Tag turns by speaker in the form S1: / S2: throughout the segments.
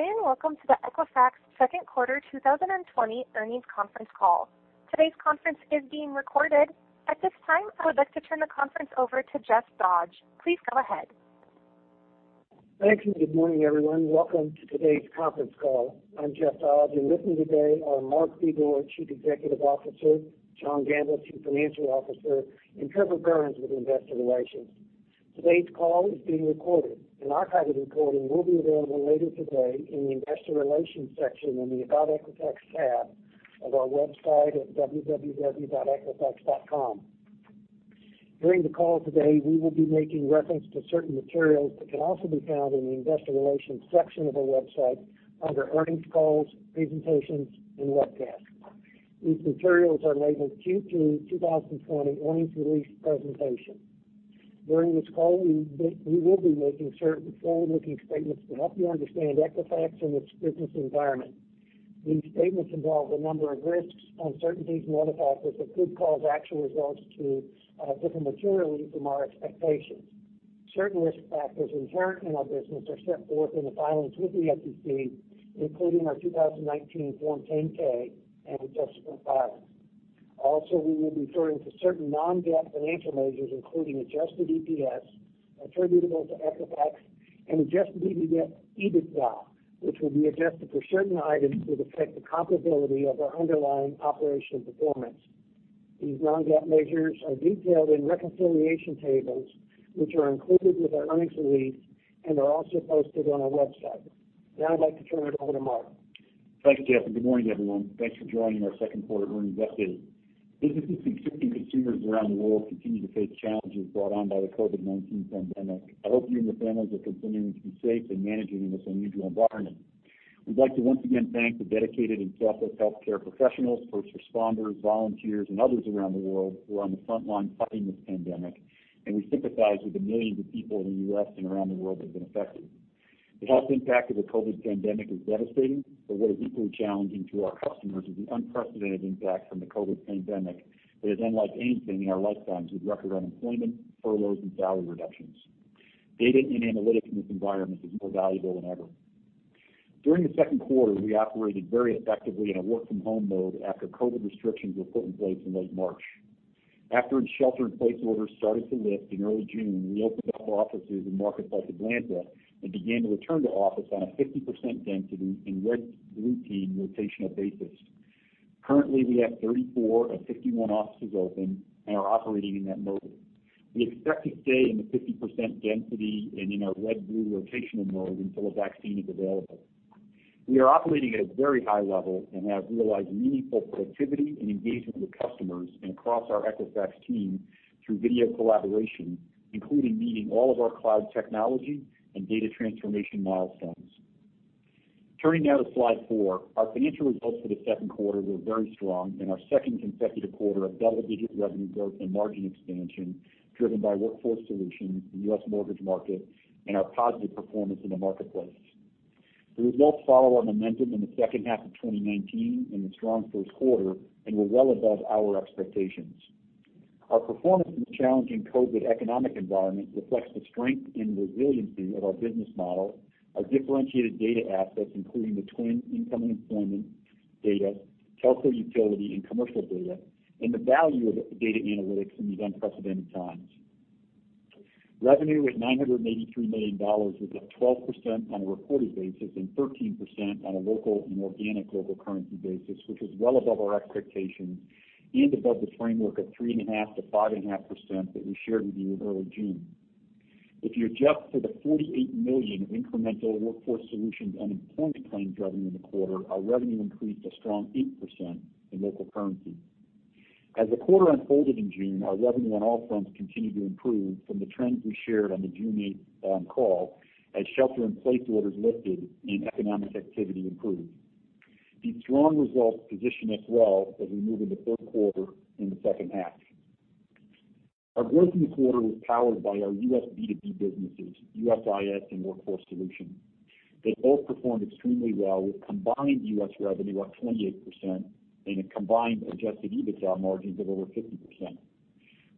S1: Today, welcome to the Equifax second quarter 2020 earnings conference call. Today's conference is being recorded. At this time, I would like to turn the conference over to Jeff Dodge. Please go ahead.
S2: Thank you. Good morning, everyone. Welcome to today's conference call. I'm Jeff Dodge. You're listening today on Mark Begor, Chief Executive Officer, John Gamble, Chief Financial Officer, and Trevor Burns with Investor Relations. Today's call is being recorded. An archival recording will be available later today in the Investor Relations section in the About Equifax tab of our website at www.equifax.com. During the call today, we will be making reference to certain materials that can also be found in the Investor Relations section of our website under earnings calls, presentations, and webcasts. These materials are labeled Q3 2020 earnings release presentation. During this call, we will be making certain forward-looking statements to help you understand Equifax and its business environment. These statements involve a number of risks, uncertainties, and other factors that could cause actual results to differ materially from our expectations. Certain risk factors inherent in our business are set forth in the filings with the SEC, including our 2019 Form 10-K and adjustment filings. Also, we will be referring to certain non-debt financial measures, including adjusted EPS attributable to Equifax and adjusted EBITDA, which will be adjusted for certain items that affect the comparability of our underlying operational performance. These non-debt measures are detailed in reconciliation tables, which are included with our earnings release and are also posted on our website. Now, I'd like to turn it over to Mark.
S3: Thanks, Jeff. Good morning, everyone. Thanks for joining our second quarter earnings update. Businesses and consumers around the world continue to face challenges brought on by the COVID-19 pandemic. I hope you and your families are continuing to be safe and managing in this unusual environment. We'd like to once again thank the dedicated and selfless healthcare professionals, first responders, volunteers, and others around the world who are on the front line fighting this pandemic, and we sympathize with the millions of people in the U.S. and around the world that have been affected. The health impact of the COVID pandemic is devastating. What is equally challenging to our customers is the unprecedented impact from the COVID pandemic that is unlike anything in our lifetimes with record unemployment, furloughs, and salary reductions. Data and analytics in this environment are more valuable than ever. During the second quarter, we operated very effectively in a work-from-home mode after COVID restrictions were put in place in late March. After shelter-in-place orders started to lift in early June, we opened up offices in markets like Atlanta and began to return to office on a 50% density and red-blue team rotational basis. Currently, we have 34 of 51 offices open and are operating in that mode. We expect to stay in the 50% density and in our red-blue rotational mode until a vaccine is available. We are operating at a very high level and have realized meaningful productivity and engagement with customers and across our Equifax team through video collaboration, including meeting all of our cloud technology and data transformation milestones. Turning now to slide four, our financial results for the second quarter were very strong, and our second consecutive quarter of double-digit revenue growth and margin expansion driven by Workforce Solutions, the U.S. mortgage market, and our positive performance in the marketplace. The results follow our momentum in the second half of 2019 and the strong first quarter, and we're well above our expectations. Our performance in the challenging COVID economic environment reflects the strength and resiliency of our business model, our differentiated data assets, including the TWN income and employment data, telco utility and commercial data, and the value of data analytics in these unprecedented times. Revenue was $983 million with a 12% on a reported basis and 13% on a local and organic local currency basis, which was well above our expectations and above the framework of 3.5%-5.5% that we shared with you in early June. If you adjust for the $48 million of incremental Workforce Solutions and employment claims revenue in the quarter, our revenue increased a strong 8% in local currency. As the quarter unfolded in June, our revenue on all fronts continued to improve from the trends we shared on the June 8th call as shelter-in-place orders lifted and economic activity improved. These strong results position us well as we move into third quarter in the second half. Our growth in the quarter was powered by our U.S. B2B businesses, USIS, and Workforce Solutions. They both performed extremely well with combined U.S. revenue up 28% and a combined adjusted EBITDA margins of over 50%.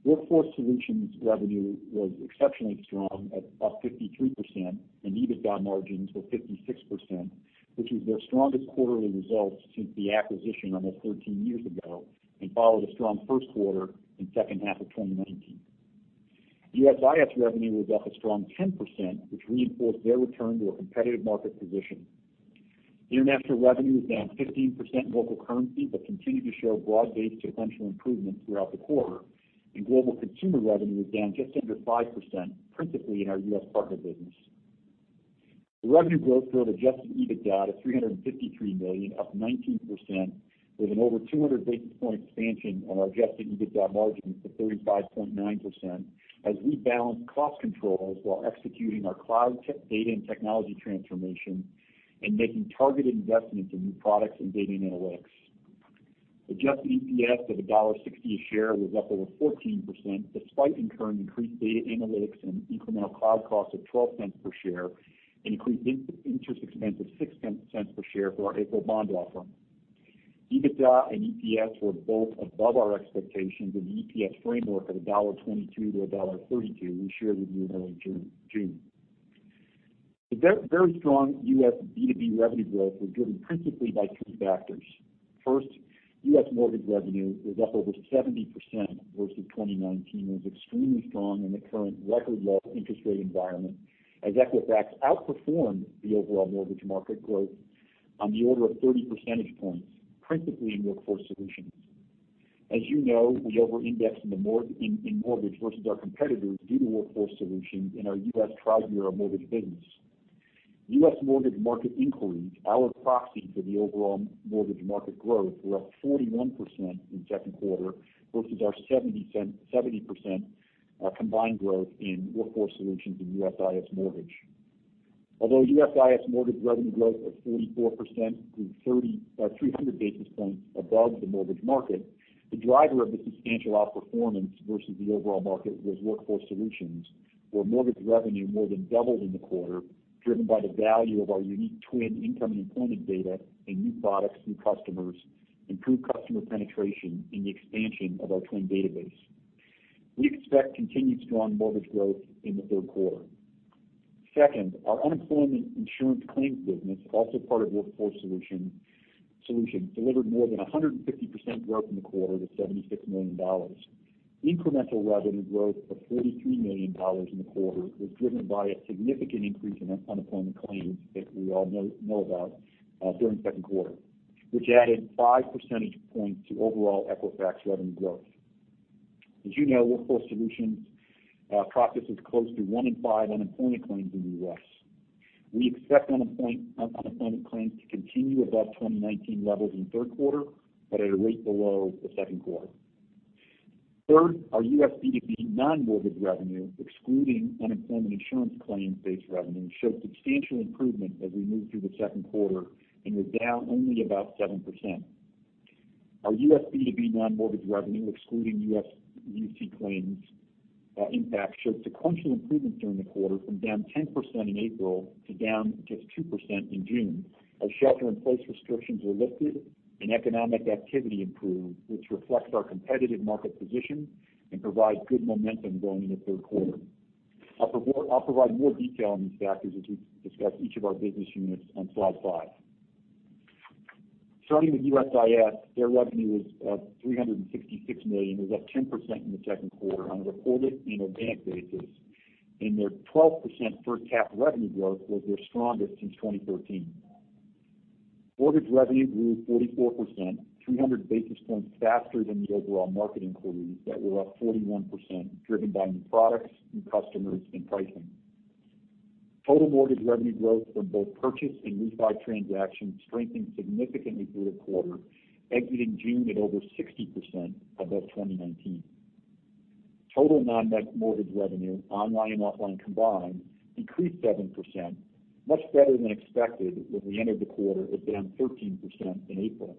S3: Workforce Solutions revenue was exceptionally strong at up 53%, and EBITDA margins were 56%, which was their strongest quarterly results since the acquisition almost 13 years ago and followed a strong first quarter and second half of 2019. USIS revenue was up a strong 10%, which reinforced their return to a competitive market position. International revenue was down 15% in local currency but continued to show broad-based potential improvements throughout the quarter, and Global Consumer revenue was down just under 5%, principally in our U.S. partner business. Revenue growth drove adjusted EBITDA to $353 million, up 19%, with an over 200 basis point expansion of our adjusted EBITDA margins to 35.9% as we balanced cost controls while executing our cloud data and technology transformation and making targeted investments in new products and data and analytics. Adjusted EPS of $1.60 a share was up over 14% despite incurring increased data analytics and incremental cloud costs of $0.12 per share and increased interest expense of $0.06 per share for our April bond offering. EBITDA and EPS were both above our expectations in the EPS framework of $1.22-$1.32 we shared with you in early June. The very strong U.S. B2B revenue growth was driven principally by two factors. First, U.S. mortgage revenue was up over 70% versus 2019 and was extremely strong in the current record low interest rate environment as Equifax outperformed the overall mortgage market growth on the order of 30 percentage points, principally in Workforce Solutions. As you know, we over-indexed in mortgage versus our competitors due to Workforce Solutions in our U.S. tri-year mortgage business. U.S. mortgage market inquiries, our proxy for the overall mortgage market growth, were up 41% in second quarter versus our 70% combined growth in Workforce Solutions and USIS mortgage. Although USIS mortgage revenue growth of 44% grew 300 basis points above the mortgage market, the driver of the substantial outperformance versus the overall market was Workforce Solutions, where mortgage revenue more than doubled in the quarter driven by the value of our unique TWN income and employment data and new products through customers, improved customer penetration, and the expansion of our TWN database. We expect continued strong mortgage growth in the third quarter. Second, our unemployment insurance claims business, also part of Workforce Solutions, delivered more than 150% growth in the quarter to $76 million. Incremental revenue growth of $43 million in the quarter was driven by a significant increase in unemployment claims that we all know about during second quarter, which added 5 percentage points to overall Equifax revenue growth. As you know, Workforce Solutions processes close to one in five unemployment claims in the U.S. We expect unemployment claims to continue above 2019 levels in third quarter, but at a rate below the second quarter. Third, our U.S. B2B non-mortgage revenue, excluding unemployment insurance claims-based revenue, showed substantial improvement as we moved through the second quarter and was down only about 7%. Our U.S. B2B non-mortgage revenue, excluding UC claims impact, showed sequential improvements during the quarter from down 10% in April to down just 2% in June as shelter-in-place restrictions were lifted and economic activity improved, which reflects our competitive market position and provides good momentum going into third quarter. I'll provide more detail on these factors as we discuss each of our business units on slide five. Starting with USIS, their revenue was $366 million, was up 10% in the second quarter on a reported and organic basis, and their 12% first half revenue growth was their strongest since 2013. Mortgage revenue grew 44%, 300 basis points faster than the overall market inquiries that were up 41%, driven by new products, new customers, and pricing. Total mortgage revenue growth from both purchase and refund transactions strengthened significantly through the quarter, exiting June at over 60% above 2019. Total non-mortgage revenue, online and offline combined, decreased 7%, much better than expected when we entered the quarter, as down 13% in April.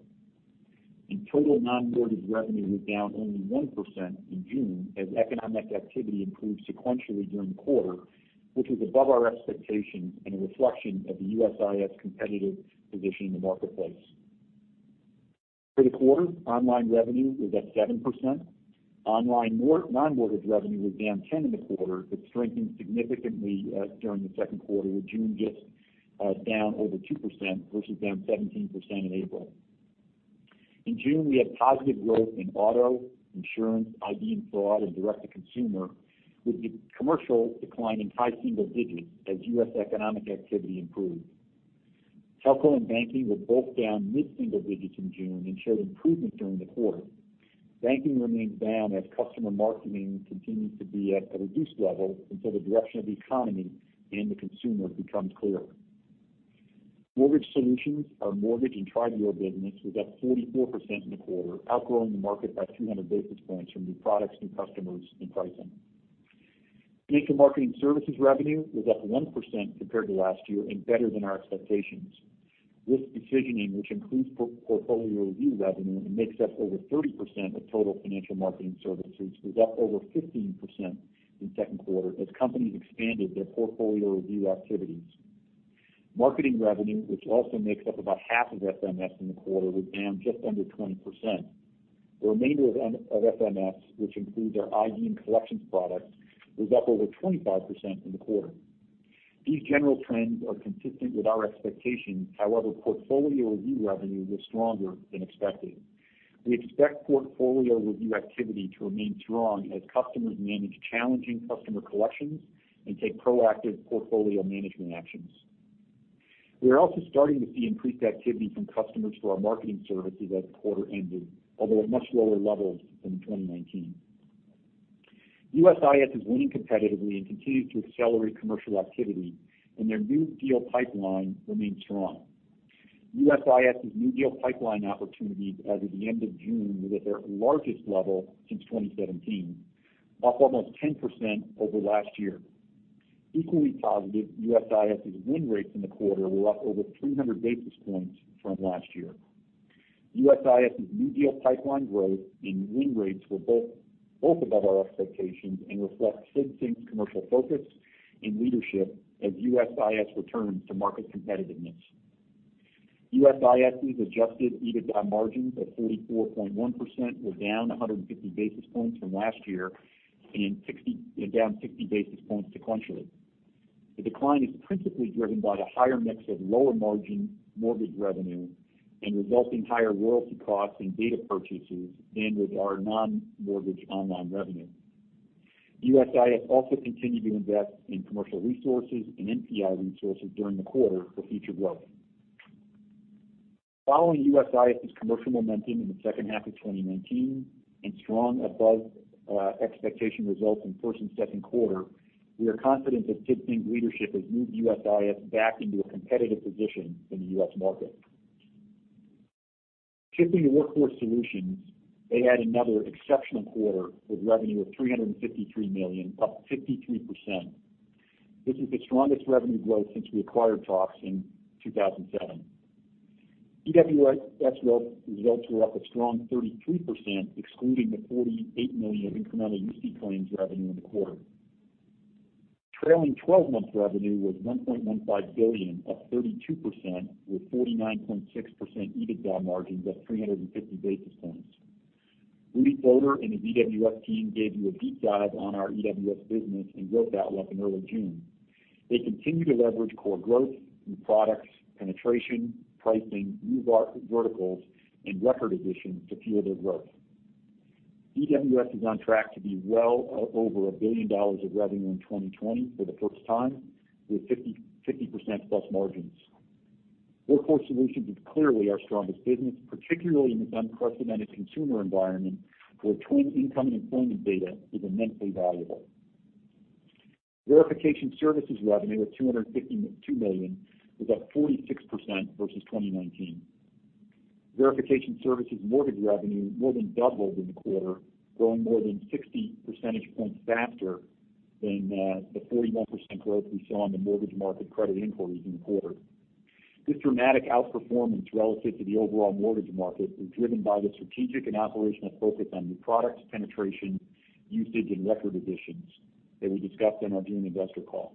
S3: Total non-mortgage revenue was down only 1% in June as economic activity improved sequentially during the quarter, which was above our expectations and a reflection of the USIS competitive position in the marketplace. For the quarter, online revenue was up 7%. Online non-mortgage revenue was down 10% in the quarter, but strengthened significantly during the second quarter, with June just down over 2% versus down 17% in April. In June, we had positive growth in auto, insurance, ID and fraud, and direct-to-consumer, with the commercial declining high single digits as U.S. economic activity improved. Telco and banking were both down mid-single digits in June and showed improvement during the quarter. Banking remains down as customer marketing continues to be at a reduced level until the direction of the economy and the consumer becomes clearer. Mortgage Solutions, our mortgage and tri-year business, was up 44% in the quarter, outgrowing the market by 300 basis points from new products, new customers, and pricing. Financial Marketing Services revenue was up 1% compared to last year and better than our expectations. Risk decisioning, which includes portfolio review revenue and makes up over 30% of total Financial Marketing Services, was up over 15% in second quarter as companies expanded their portfolio review activities. Marketing revenue, which also makes up about half of FMS in the quarter, was down just under 20%. The remainder of FMS, which includes our ID and collections products, was up over 25% in the quarter. These general trends are consistent with our expectations. However, portfolio review revenue was stronger than expected. We expect portfolio review activity to remain strong as customers manage challenging customer collections and take proactive portfolio management actions. We are also starting to see increased activity from customers for our marketing services as the quarter ended, although at much lower levels than in 2019. USIS is winning competitively and continues to accelerate commercial activity, and their new deal pipeline remains strong. USIS's new deal pipeline opportunities as of the end of June were at their largest level since 2017, up almost 10% over last year. Equally positive, USIS's win rates in the quarter were up over 300 basis points from last year. USIS's new deal pipeline growth and win rates were both above our expectations and reflect Sid Singh's commercial focus and leadership as USIS returns to market competitiveness. USIS's adjusted EBITDA margins of 44.1% were down 150 basis points from last year and down 60 basis points sequentially. The decline is principally driven by the higher mix of lower margin mortgage revenue and resulting higher royalty costs and data purchases than with our non-mortgage online revenue. USIS also continued to invest in commercial resources and NPI resources during the quarter for future growth. Following USIS's commercial momentum in the second half of 2019 and strong above-expectation results in first and second quarter, we are confident that Sid Singh's leadership has moved USIS back into a competitive position in the U.S. market. Shifting to Workforce Solutions, they had another exceptional quarter with revenue of $353 million, up 53%. This was the strongest revenue growth since we acquired Fox in 2007. EWS results were up a strong 33%, excluding the $48 million of incremental UC claims revenue in the quarter. Trailing 12-month revenue was $1.15 billion, up 32%, with 49.6% EBITDA margins of 350 basis points. Rudy Ploder and his EWS team gave you a deep dive on our EWS business and growth outlook in early June. They continue to leverage core growth, new products, penetration, pricing, new verticals, and record additions to fuel their growth. EWS is on track to be well over a billion dollars of revenue in 2020 for the first time with 50% plus margins. Workforce Solutions is clearly our strongest business, particularly in this unprecedented consumer environment where TWN income and employment data is immensely valuable. Verification Services revenue of $252 million was up 46% versus 2019. Verification Services mortgage revenue more than doubled in the quarter, growing more than 60 percentage points faster than the 41% growth we saw in the mortgage market credit inquiries in the quarter. This dramatic outperformance relative to the overall mortgage market was driven by the strategic and operational focus on new products, penetration, usage, and record additions that we discussed on our June investor call.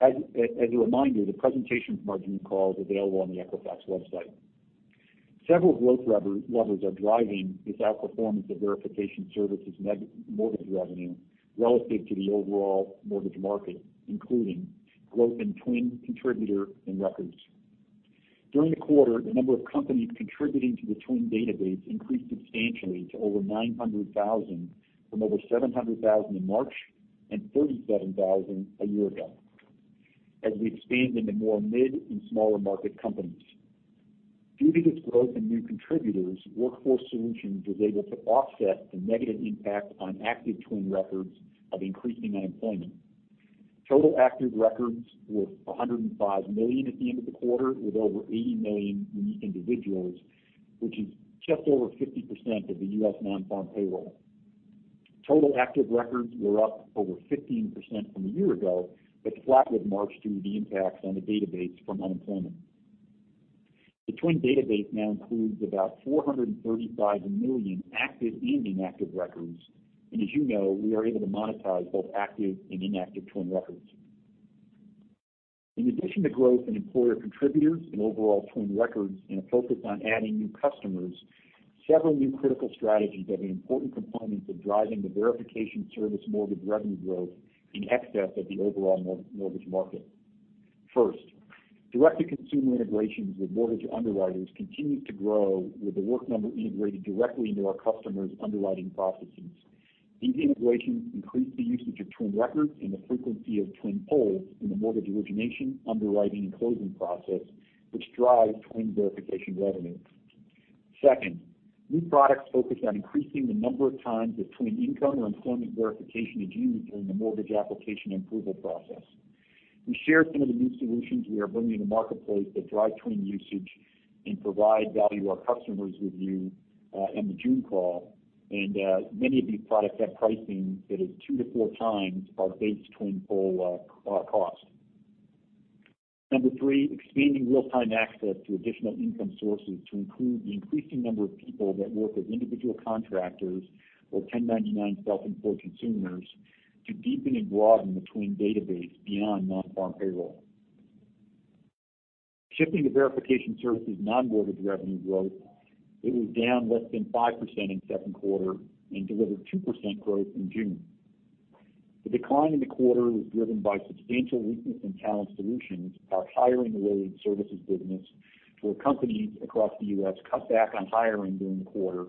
S3: As a reminder, the presentation from our June call is available on the Equifax website. Several growth levers are driving this outperformance of Verification Services mortgage revenue relative to the overall mortgage market, including growth in TWN contributor and records. During the quarter, the number of companies contributing to the TWN database increased substantially to over 900,000 from over 700,000 in March and 37,000 a year ago as we expand into more mid and smaller market companies. Due to this growth in new contributors, Workforce Solutions was able to offset the negative impact on active TWN records of increasing unemployment. Total active records were 105 million at the end of the quarter, with over 80 million unique individuals, which is just over 50% of the U.S. non-farm payroll. Total active records were up over 15% from a year ago, but flat with March due to the impacts on the database from unemployment. The TWN database now includes about 435 million active and inactive records, and as you know, we are able to monetize both active and inactive TWN records. In addition to growth in employer contributors and overall TWN records and a focus on adding new customers, several new critical strategies have been important components of driving the Verification Services mortgage revenue growth in excess of the overall mortgage market. First, direct-to-consumer integrations with mortgage underwriters continues to grow with The Work Number integrated directly into our customers' underwriting processes. These integrations increase the usage of TWN records and the frequency of TWN pulls in the mortgage origination, underwriting, and closing process, which drives TWN verification revenue. Second, new products focus on increasing the number of times that TWN income or employment verification is used during the mortgage application and approval process. We shared some of the new solutions we are bringing to the marketplace that drive TWN usage and provide value to our customers with you on the June call, and many of these products have pricing that is two to four times our base TWN pull cost. Number three, expanding real-time access to additional income sources to include the increasing number of people that work as individual contractors or 1099 self-employed consumers to deepen and broaden the TWN database beyond non-farm payroll. Shifting to Verification Services non-mortgage revenue growth, it was down less than 5% in second quarter and delivered 2% growth in June. The decline in the quarter was driven by substantial weakness in Talent Solutions of hiring-related services business, where companies across the U.S. cut back on hiring during the quarter,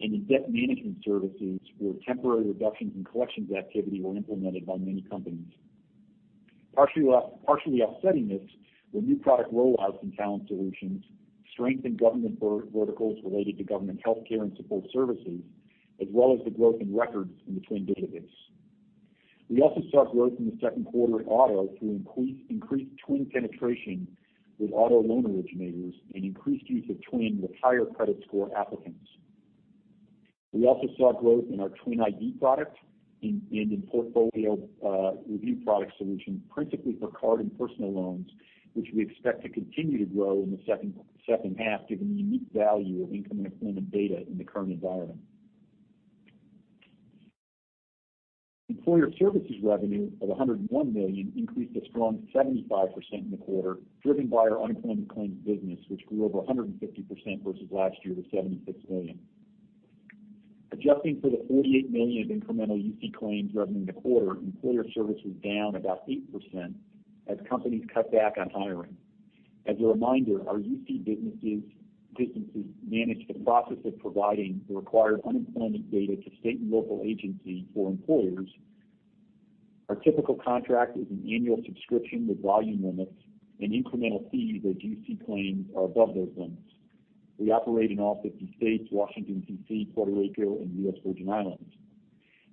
S3: and in debt management services, where temporary reductions in collections activity were implemented by many companies. Partially offsetting this were new product rollouts in talent solutions, strengthened government verticals related to government healthcare and support services, as well as the growth in records in the TWN database. We also saw growth in the second quarter in auto through increased TWN penetration with auto loan originators and increased use of TWN with higher credit score applicants. We also saw growth in our TWN ID product and in portfolio review product solutions, principally for card and personal loans, which we expect to continue to grow in the second half, given the unique value of income and employment data in the current environment. Employer Services revenue of $101 million increased a strong 75% in the quarter, driven by our unemployment claims business, which grew over 150% versus last year with $76 million. Adjusting for the $48 million of incremental UC claims revenue in the quarter, employer service was down about 8% as companies cut back on hiring. As a reminder, our UC businesses manage the process of providing the required unemployment data to state and local agencies for employers. Our typical contract is an annual subscription with volume limits and incremental fees as UC claims are above those limits. We operate in all 50 states, Washington, D.C., Puerto Rico, and the US Virgin Islands.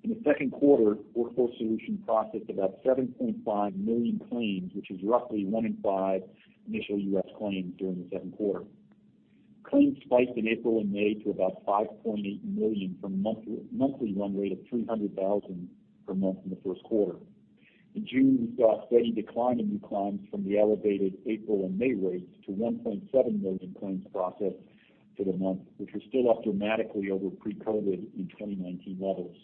S3: In the second quarter, Workforce Solutions processed about 7.5 million claims, which is roughly one in five initial U.S. claims during the second quarter. Claims spiked in April and May to about 5.8 million from a monthly run rate of 300,000 per month in the first quarter. In June, we saw a steady decline in new claims from the elevated April and May rates to 1.7 million claims processed for the month, which was still up dramatically over pre-COVID in 2019 levels.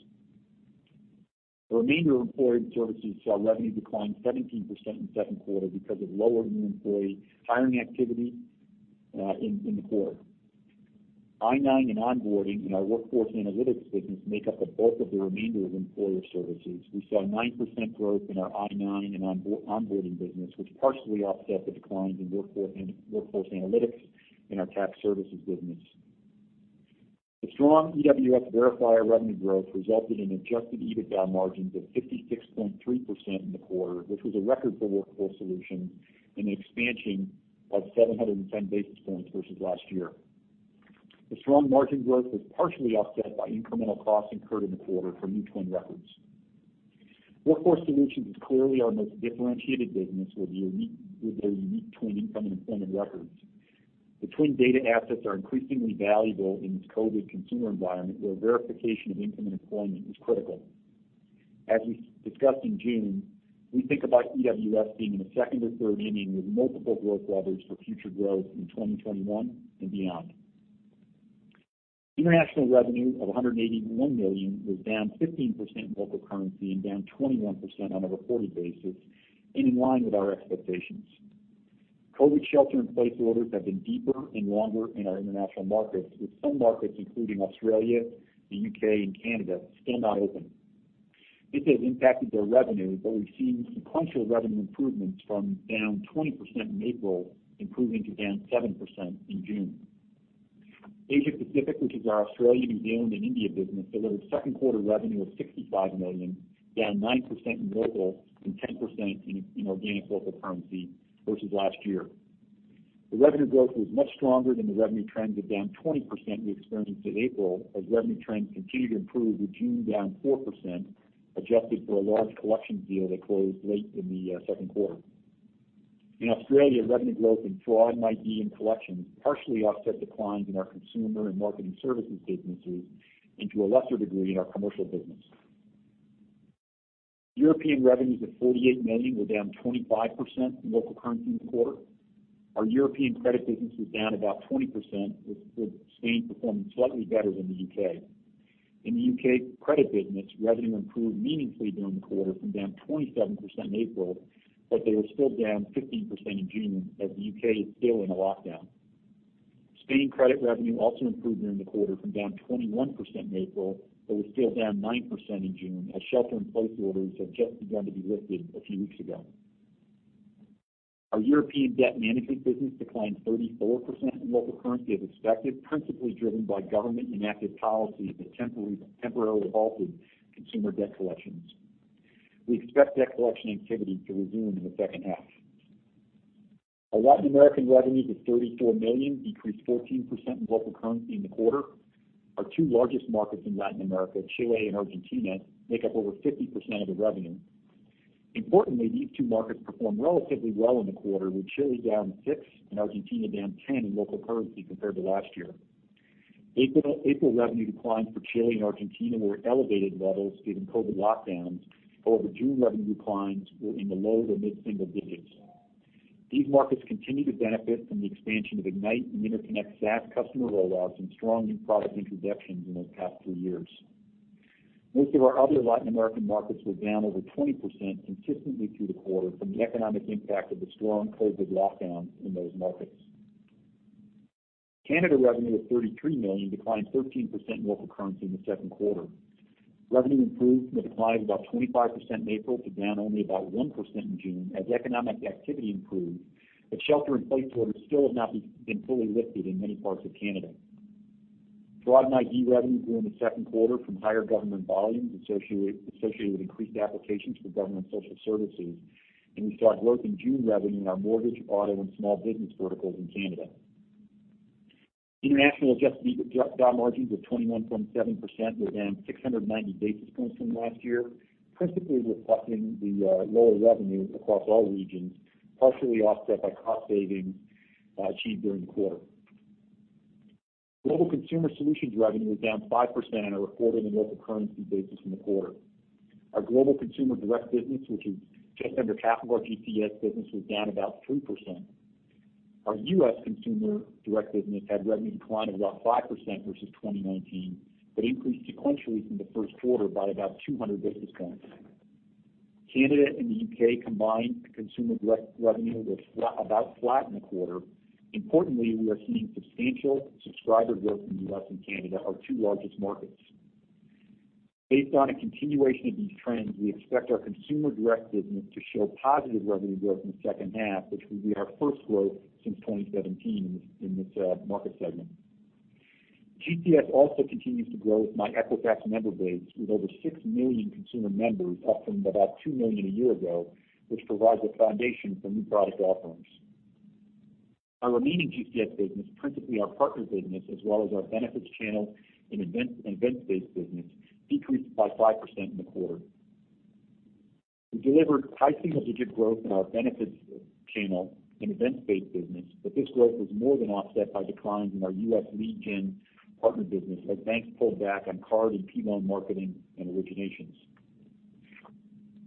S3: The remainder of Employer Services saw revenue decline 17% in the second quarter because of lower new employee hiring activity in the quarter. I-9 and onboarding in our workforce analytics business make up the bulk of the remainder of Employer Services. We saw 9% growth in our I-9 and onboarding business, which partially offset the declines in workforce analytics in our tax services business. The strong EWS verifier revenue growth resulted in adjusted EBITDA margins of 56.3% in the quarter, which was a record for Workforce Solutions and an expansion of 710 basis points versus last year. The strong margin growth was partially offset by incremental costs incurred in the quarter from new TWN records. Workforce Solutions is clearly our most differentiated business with their unique TWN income and employment records. The TWN data assets are increasingly valuable in this COVID consumer environment where verification of income and employment is critical. As we discussed in June, we think about EWS being in the second or third inning with multiple growth levers for future growth in 2021 and beyond. International revenue of $181 million was down 15% in local currency and down 21% on a reported basis, and in line with our expectations. COVID shelter-in-place orders have been deeper and longer in our international markets, with some markets, including Australia, the U.K., and Canada, still not open. This has impacted their revenue, but we've seen sequential revenue improvements from down 20% in April improving to down 7% in June. Asia Pacific, which is our Australia, New Zealand, and India business, delivered second quarter revenue of $65 million, down 9% in local and 10% in organic local currency versus last year. The revenue growth was much stronger than the revenue trends of down 20% we experienced in April, as revenue trends continue to improve, with June down 4%, adjusted for a large collections deal that closed late in the second quarter. In Australia, revenue growth in fraud, ID, and collections partially offset declines in our consumer and marketing services businesses and to a lesser degree in our commercial business. European revenues of $48 million were down 25% in local currency in the quarter. Our European credit business was down about 20%, with Spain performing slightly better than the U.K. In the U.K., credit business revenue improved meaningfully during the quarter from down 27% in April, but they were still down 15% in June as the U.K. is still in a lockdown. Spain credit revenue also improved during the quarter from down 21% in April, but was still down 9% in June as shelter-in-place orders had just begun to be lifted a few weeks ago. Our European debt management business declined 34% in local currency as expected, principally driven by government inactive policies that temporarily halted consumer debt collections. We expect debt collection activity to resume in the second half. Our Latin American revenues of $34 million decreased 14% in local currency in the quarter. Our two largest markets in Latin America, Chile and Argentina, make up over 50% of the revenue. Importantly, these two markets performed relatively well in the quarter, with Chile down 6% and Argentina down 10% in local currency compared to last year. April revenue declines for Chile and Argentina were at elevated levels due to COVID lockdowns. However, June revenue declines were in the low to mid-single digits. These markets continue to benefit from the expansion of Ignite and InterConnect SaaS customer rollouts and strong new product introductions in those past three years. Most of our other Latin American markets were down over 20% consistently through the quarter from the economic impact of the strong COVID lockdowns in those markets. Canada revenue of 33 million declined 13% in local currency in the second quarter. Revenue improved from a decline of about 25% in April to down only about 1% in June as economic activity improved, but shelter-in-place orders still have not been fully lifted in many parts of Canada. Fraud and ID revenue grew in the second quarter from higher government volumes associated with increased applications for government social services, and we saw growth in June revenue in our mortgage, auto, and small business verticals in Canada. International adjusted EBITDA margins of 21.7% were down 690 basis points from last year, principally reflecting the lower revenue across all regions, partially offset by cost savings achieved during the quarter. Global consumer solutions revenue was down 5% on a reported in local currency basis in the quarter. Our global consumer direct business, which is just under half of our GCS business, was down about 3%. Our U.S. consumer direct business had revenue decline of about 5% versus 2019, but increased sequentially from the first quarter by about 200 basis points. Canada and the U.K. combined consumer direct revenue was about flat in the quarter. Importantly, we are seeing substantial subscriber growth in the U.S. and Canada, our two largest markets. Based on a continuation of these trends, we expect our consumer direct business to show positive revenue growth in the second half, which will be our first growth since 2017 in this market segment. GCS also continues to grow with myEquifax member base, with over 6 million consumer members up from about 2 million a year ago, which provides a foundation for new product offerings. Our remaining GCS business, principally our partner business, as well as our benefits channel and events-based business, decreased by 5% in the quarter. We delivered high single-digit growth in our benefits channel and events-based business, but this growth was more than offset by declines in our U.S. lead gen partner business as banks pulled back on card and P1 marketing and originations.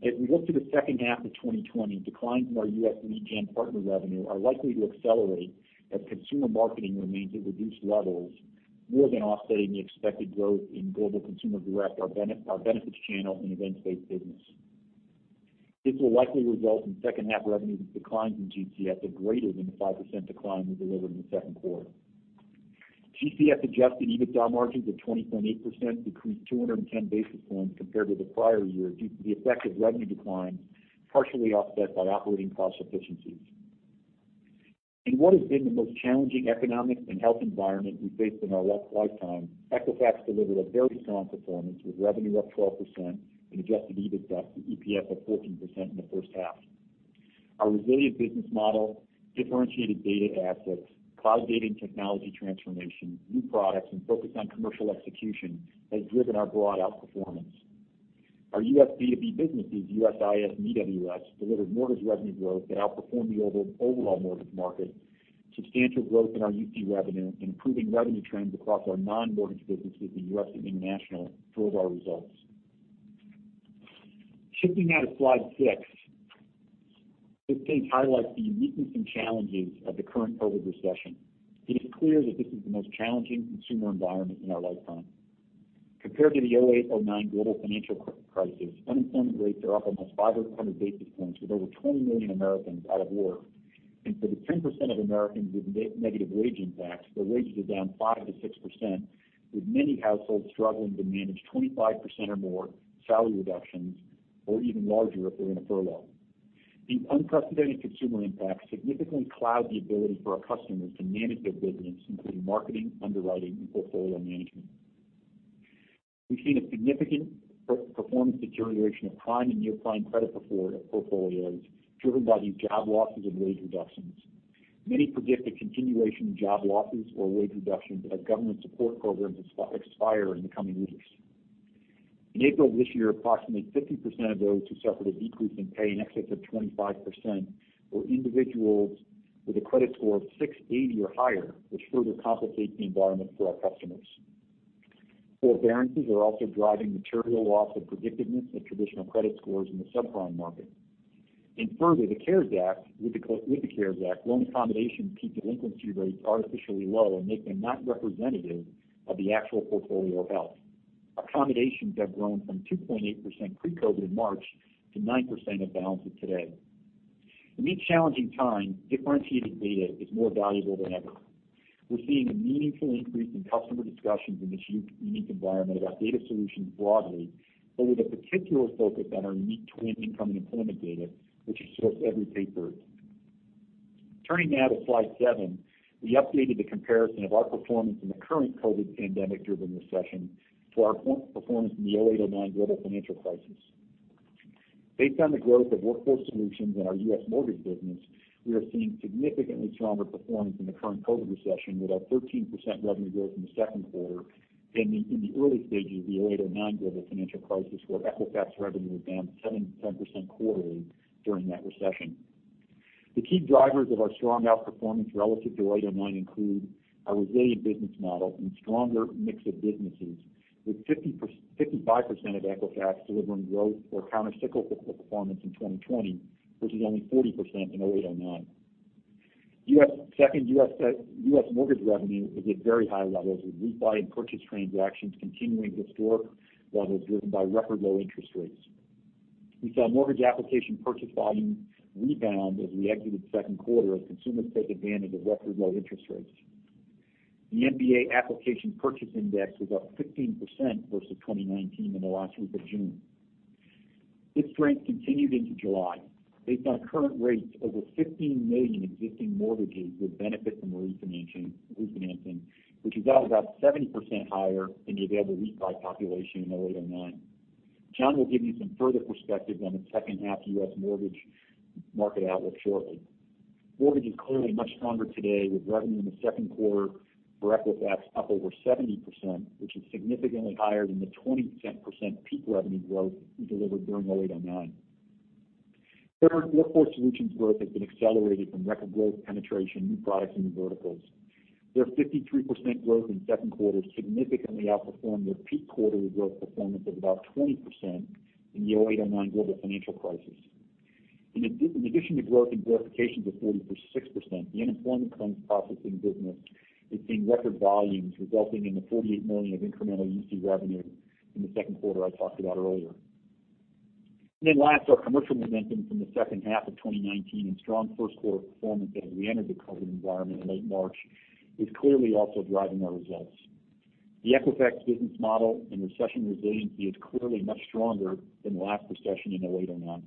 S3: As we look to the second half of 2020, declines in our U.S. lead gen partner revenue are likely to accelerate as consumer marketing remains at reduced levels, more than offsetting the expected growth in global consumer direct, our benefits channel, and events-based business. This will likely result in second-half revenue declines in GCS of greater than the 5% decline we delivered in the second quarter. GCS adjusted EBITDA margins of 20.8% decreased 210 basis points compared with the prior year due to the effective revenue declines, partially offset by operating cost efficiencies. In what has been the most challenging economic and health environment we faced in our lifetime, Equifax delivered a very strong performance with revenue up 12% and adjusted EBITDA to EPS of 14% in the first half. Our resilient business model, differentiated data assets, cloud data and technology transformation, new products, and focus on commercial execution has driven our broad outperformance. Our U.S. B2B businesses, USIS and EWS, delivered mortgage revenue growth that outperformed the overall mortgage market, substantial growth in our UC revenue, and improving revenue trends across our non-mortgage businesses in the U.S. and international drove our results. Shifting now to slide six, this page highlights the uniqueness and challenges of the current COVID recession. It is clear that this is the most challenging consumer environment in our lifetime. Compared to the 2008-2009 global financial crisis, unemployment rates are up almost 500 basis points with over 20 million Americans out of work. For the 10% of Americans with negative wage impacts, their wages are down 5%-6%, with many households struggling to manage 25% or more salary reductions or even larger if they're in a furlough. These unprecedented consumer impacts significantly cloud the ability for our customers to manage their business, including marketing, underwriting, and portfolio management. We've seen a significant performance deterioration of prime and near-prime credit portfolios driven by these job losses and wage reductions. Many predict a continuation of job losses or wage reductions as government support programs expire in the coming weeks. In April of this year, approximately 50% of those who suffered a decrease in pay in excess of 25% were individuals with a credit score of 680 or higher, which further complicates the environment for our customers. Forbearances are also driving material loss of predictiveness of traditional credit scores in the subprime market. Further, the CARES Act, with the CARES Act, will accommodations keep delinquency rates artificially low and make them not representative of the actual portfolio health. Accommodations have grown from 2.8% pre-COVID in March to 9% of balances today. In these challenging times, differentiated data is more valuable than ever. We're seeing a meaningful increase in customer discussions in this unique environment about data solutions broadly, but with a particular focus on our unique TWN income and employment data, which is sourced every pay period. Turning now to slide seven, we updated the comparison of our performance in the current COVID pandemic-driven recession to our performance in the 2008-2009 Global Financial Crisis. Based on the growth of Workforce Solutions in our U.S. mortgage business, we are seeing significantly stronger performance in the current COVID recession with our 13% revenue growth in the second quarter than in the early stages of the 2008-2009 global financial crisis, where Equifax revenue was down 7%-10% quarterly during that recession. The key drivers of our strong outperformance relative to 2008-2009 include our resilient business model and stronger mix of businesses, with 55% of Equifax delivering growth or countercyclical performance in 2020 versus only 40% in 2008-2009. Second, U.S. mortgage revenue is at very high levels, with refi and purchase transactions continuing historic levels driven by record low interest rates. We saw mortgage application purchase volumes rebound as we exited the second quarter as consumers take advantage of record low interest rates. The MBA application purchase index was up 15% versus 2019 in the last week of June. This strength continued into July. Based on current rates, over 15 million existing mortgages would benefit from refinancing, which is up about 70% higher than the available refi population in 2008-2009. John will give you some further perspectives on the second-half U.S. mortgage market outlook shortly. Mortgages clearly much stronger today, with revenue in the second quarter for Equifax up over 70%, which is significantly higher than the 20% peak revenue growth we delivered during 2008-2009. Third, Workforce Solutions growth has been accelerated from record growth, penetration, new products, and new verticals. Their 53% growth in the second quarter significantly outperformed their peak quarterly growth performance of about 20% in the 2008-2009 global financial crisis. In addition to growth and growth occasions of 46%, the unemployment claims processing business is seeing record volumes, resulting in the $48 million of incremental UC revenue in the second quarter I talked about earlier. Last, our commercial momentum from the second half of 2019 and strong first quarter performance as we entered the COVID environment in late March is clearly also driving our results. The Equifax business model and recession resiliency is clearly much stronger than the last recession in 2008-2009.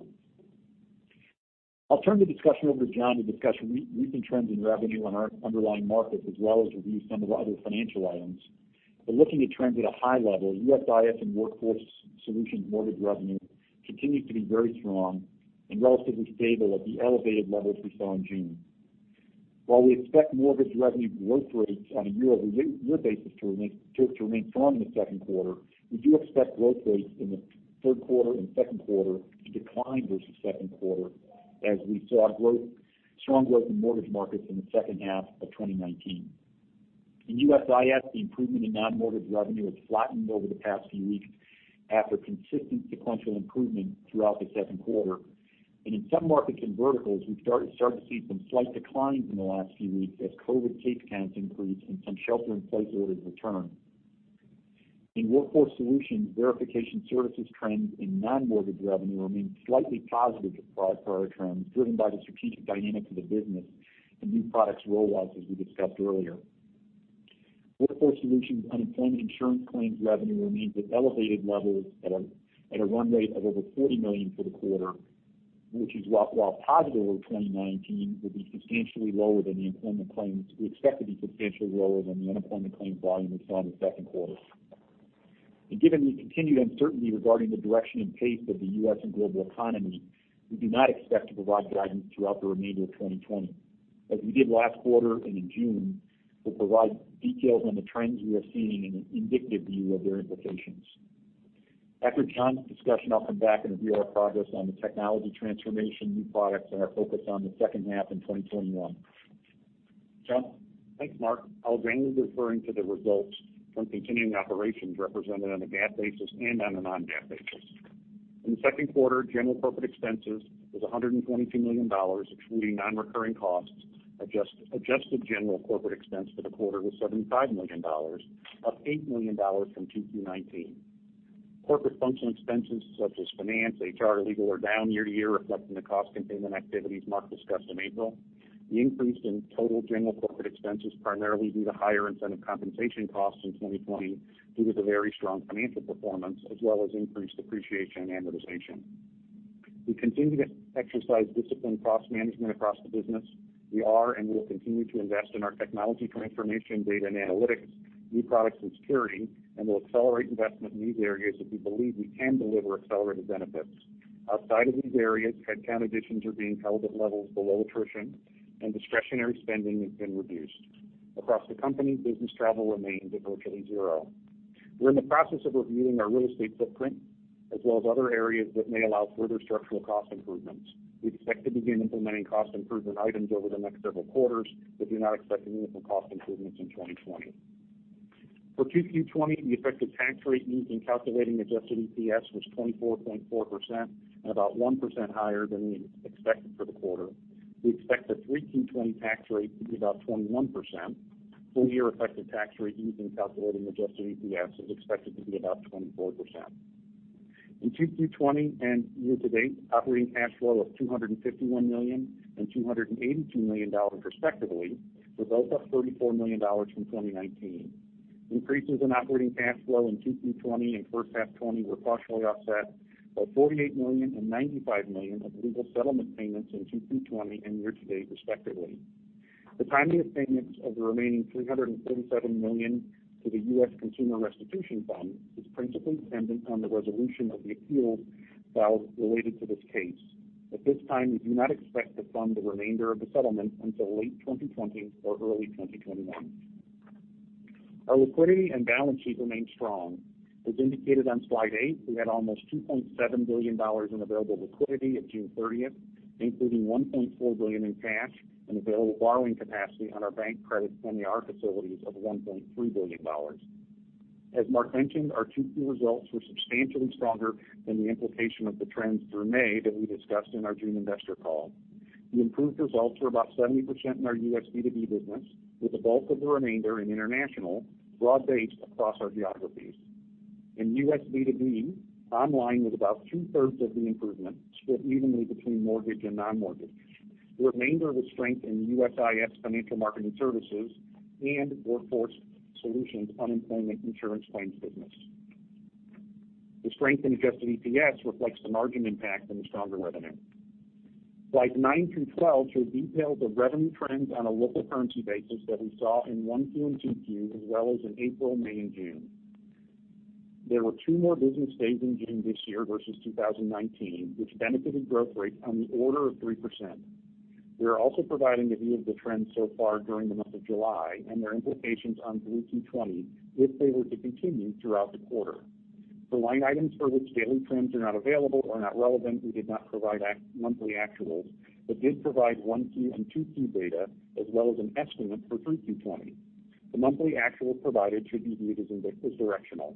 S3: I'll turn the discussion over to John to discuss recent trends in revenue on our underlying markets, as well as review some of the other financial items. Looking at trends at a high level, USIS and Workforce Solutions mortgage revenue continues to be very strong and relatively stable at the elevated levels we saw in June. While we expect mortgage revenue growth rates on a year-over-year basis to remain strong in the second quarter, we do expect growth rates in the third quarter and second quarter to decline versus second quarter, as we saw strong growth in mortgage markets in the second half of 2019. In USIS, the improvement in non-mortgage revenue has flattened over the past few weeks after consistent sequential improvement throughout the second quarter. In some markets and verticals, we've started to see some slight declines in the last few weeks as COVID case counts increased and some shelter-in-place orders returned. In Workforce Solutions, Verification Services trends in non-mortgage revenue remain slightly positive to prior trends, driven by the strategic dynamics of the business and new products rollouts, as we discussed earlier. Workforce Solutions unemployment insurance claims revenue remains at elevated levels at a run rate of over $40 million for the quarter, which is, while positive over 2019, will be substantially lower than the employment claims we expect to be substantially lower than the unemployment claims volume we saw in the second quarter. Given the continued uncertainty regarding the direction and pace of the U.S. and global economy, we do not expect to provide guidance throughout the remainder of 2020. As we did last quarter and in June, we will provide details on the trends we are seeing and an indicative view of their implications. After John's discussion, I'll come back and review our progress on the technology transformation, new products, and our focus on the second half in 2021. John?
S4: Thanks, Mark. I'll generally be referring to the results from continuing operations represented on a GAAP basis and on a non-GAAP basis. In the second quarter, general corporate expenses was $122 million, excluding non-recurring costs. Adjusted general corporate expense for the quarter was $75 million, up $8 million from Q2 2019. Corporate functional expenses such as finance, HR, legal, are down year-to-year, reflecting the cost containment activities Mark discussed in April. The increase in total general corporate expenses is primarily due to higher incentive compensation costs in 2020 due to the very strong financial performance, as well as increased depreciation and amortization. We continue to exercise disciplined cost management across the business. We are and will continue to invest in our technology transformation, data and analytics, new products, and security, and will accelerate investment in these areas as we believe we can deliver accelerated benefits. Outside of these areas, headcount additions are being held at levels below attrition, and discretionary spending has been reduced. Across the company, business travel remains at virtually zero. We are in the process of reviewing our real estate footprint, as well as other areas that may allow further structural cost improvements. We expect to begin implementing cost improvement items over the next several quarters, but do not expect meaningful cost improvements in 2020. For Q2 2020, the effective tax rate used in calculating adjusted EPS was 24.4% and about 1% higher than we expected for the quarter. We expect the pre-Q2 2020 tax rate to be about 21%. Full-year effective tax rate used in calculating adjusted EPS is expected to be about 24%. In Q2 2020 and year-to-date, operating cash flow of $251 million and $282 million, respectively, were both up $34 million from 2019. Increases in operating cash flow in Q2 2020 and first half 2020 were partially offset by $48 million and $95 million of legal settlement payments in Q2 2020 and year-to-date, respectively. The timing of payments of the remaining $347 million to the U.S. Consumer Restitution Fund is principally dependent on the resolution of the appeals filed related to this case. At this time, we do not expect to fund the remainder of the settlement until late 2020 or early 2021. Our liquidity and balance sheet remained strong. As indicated on slide eight, we had almost $2.7 billion in available liquidity at June 30th, including $1.4 billion in cash and available borrowing capacity on our bank credit and facilities of $1.3 billion. As Mark mentioned, our Q2 results were substantially stronger than the implication of the trends through May that we discussed in our June investor call. The improved results were about 70% in our U.S. B2B business, with the bulk of the remainder in international, broad-based across our geographies. In U.S. B2B, online was about two-thirds of the improvement, split evenly between mortgage and non-mortgage. The remainder was strength in USIS financial marketing services and Workforce Solutions unemployment insurance claims business. The strength in adjusted EPS reflects the margin impact and the stronger revenue. Slides 9 through 12 show details of revenue trends on a local currency basis that we saw in one Q and two Q, as well as in April, May, and June. There were two more business days in June this year versus 2019, which benefited growth rates on the order of 3%. We are also providing a view of the trends so far during the month of July and their implications on Q2 2020 if they were to continue throughout the quarter. For line items for which daily trends are not available or not relevant, we did not provide monthly actuals, but did provide 1Q and 2Q data, as well as an estimate for Q2 2020. The monthly actual provided should be viewed as directional.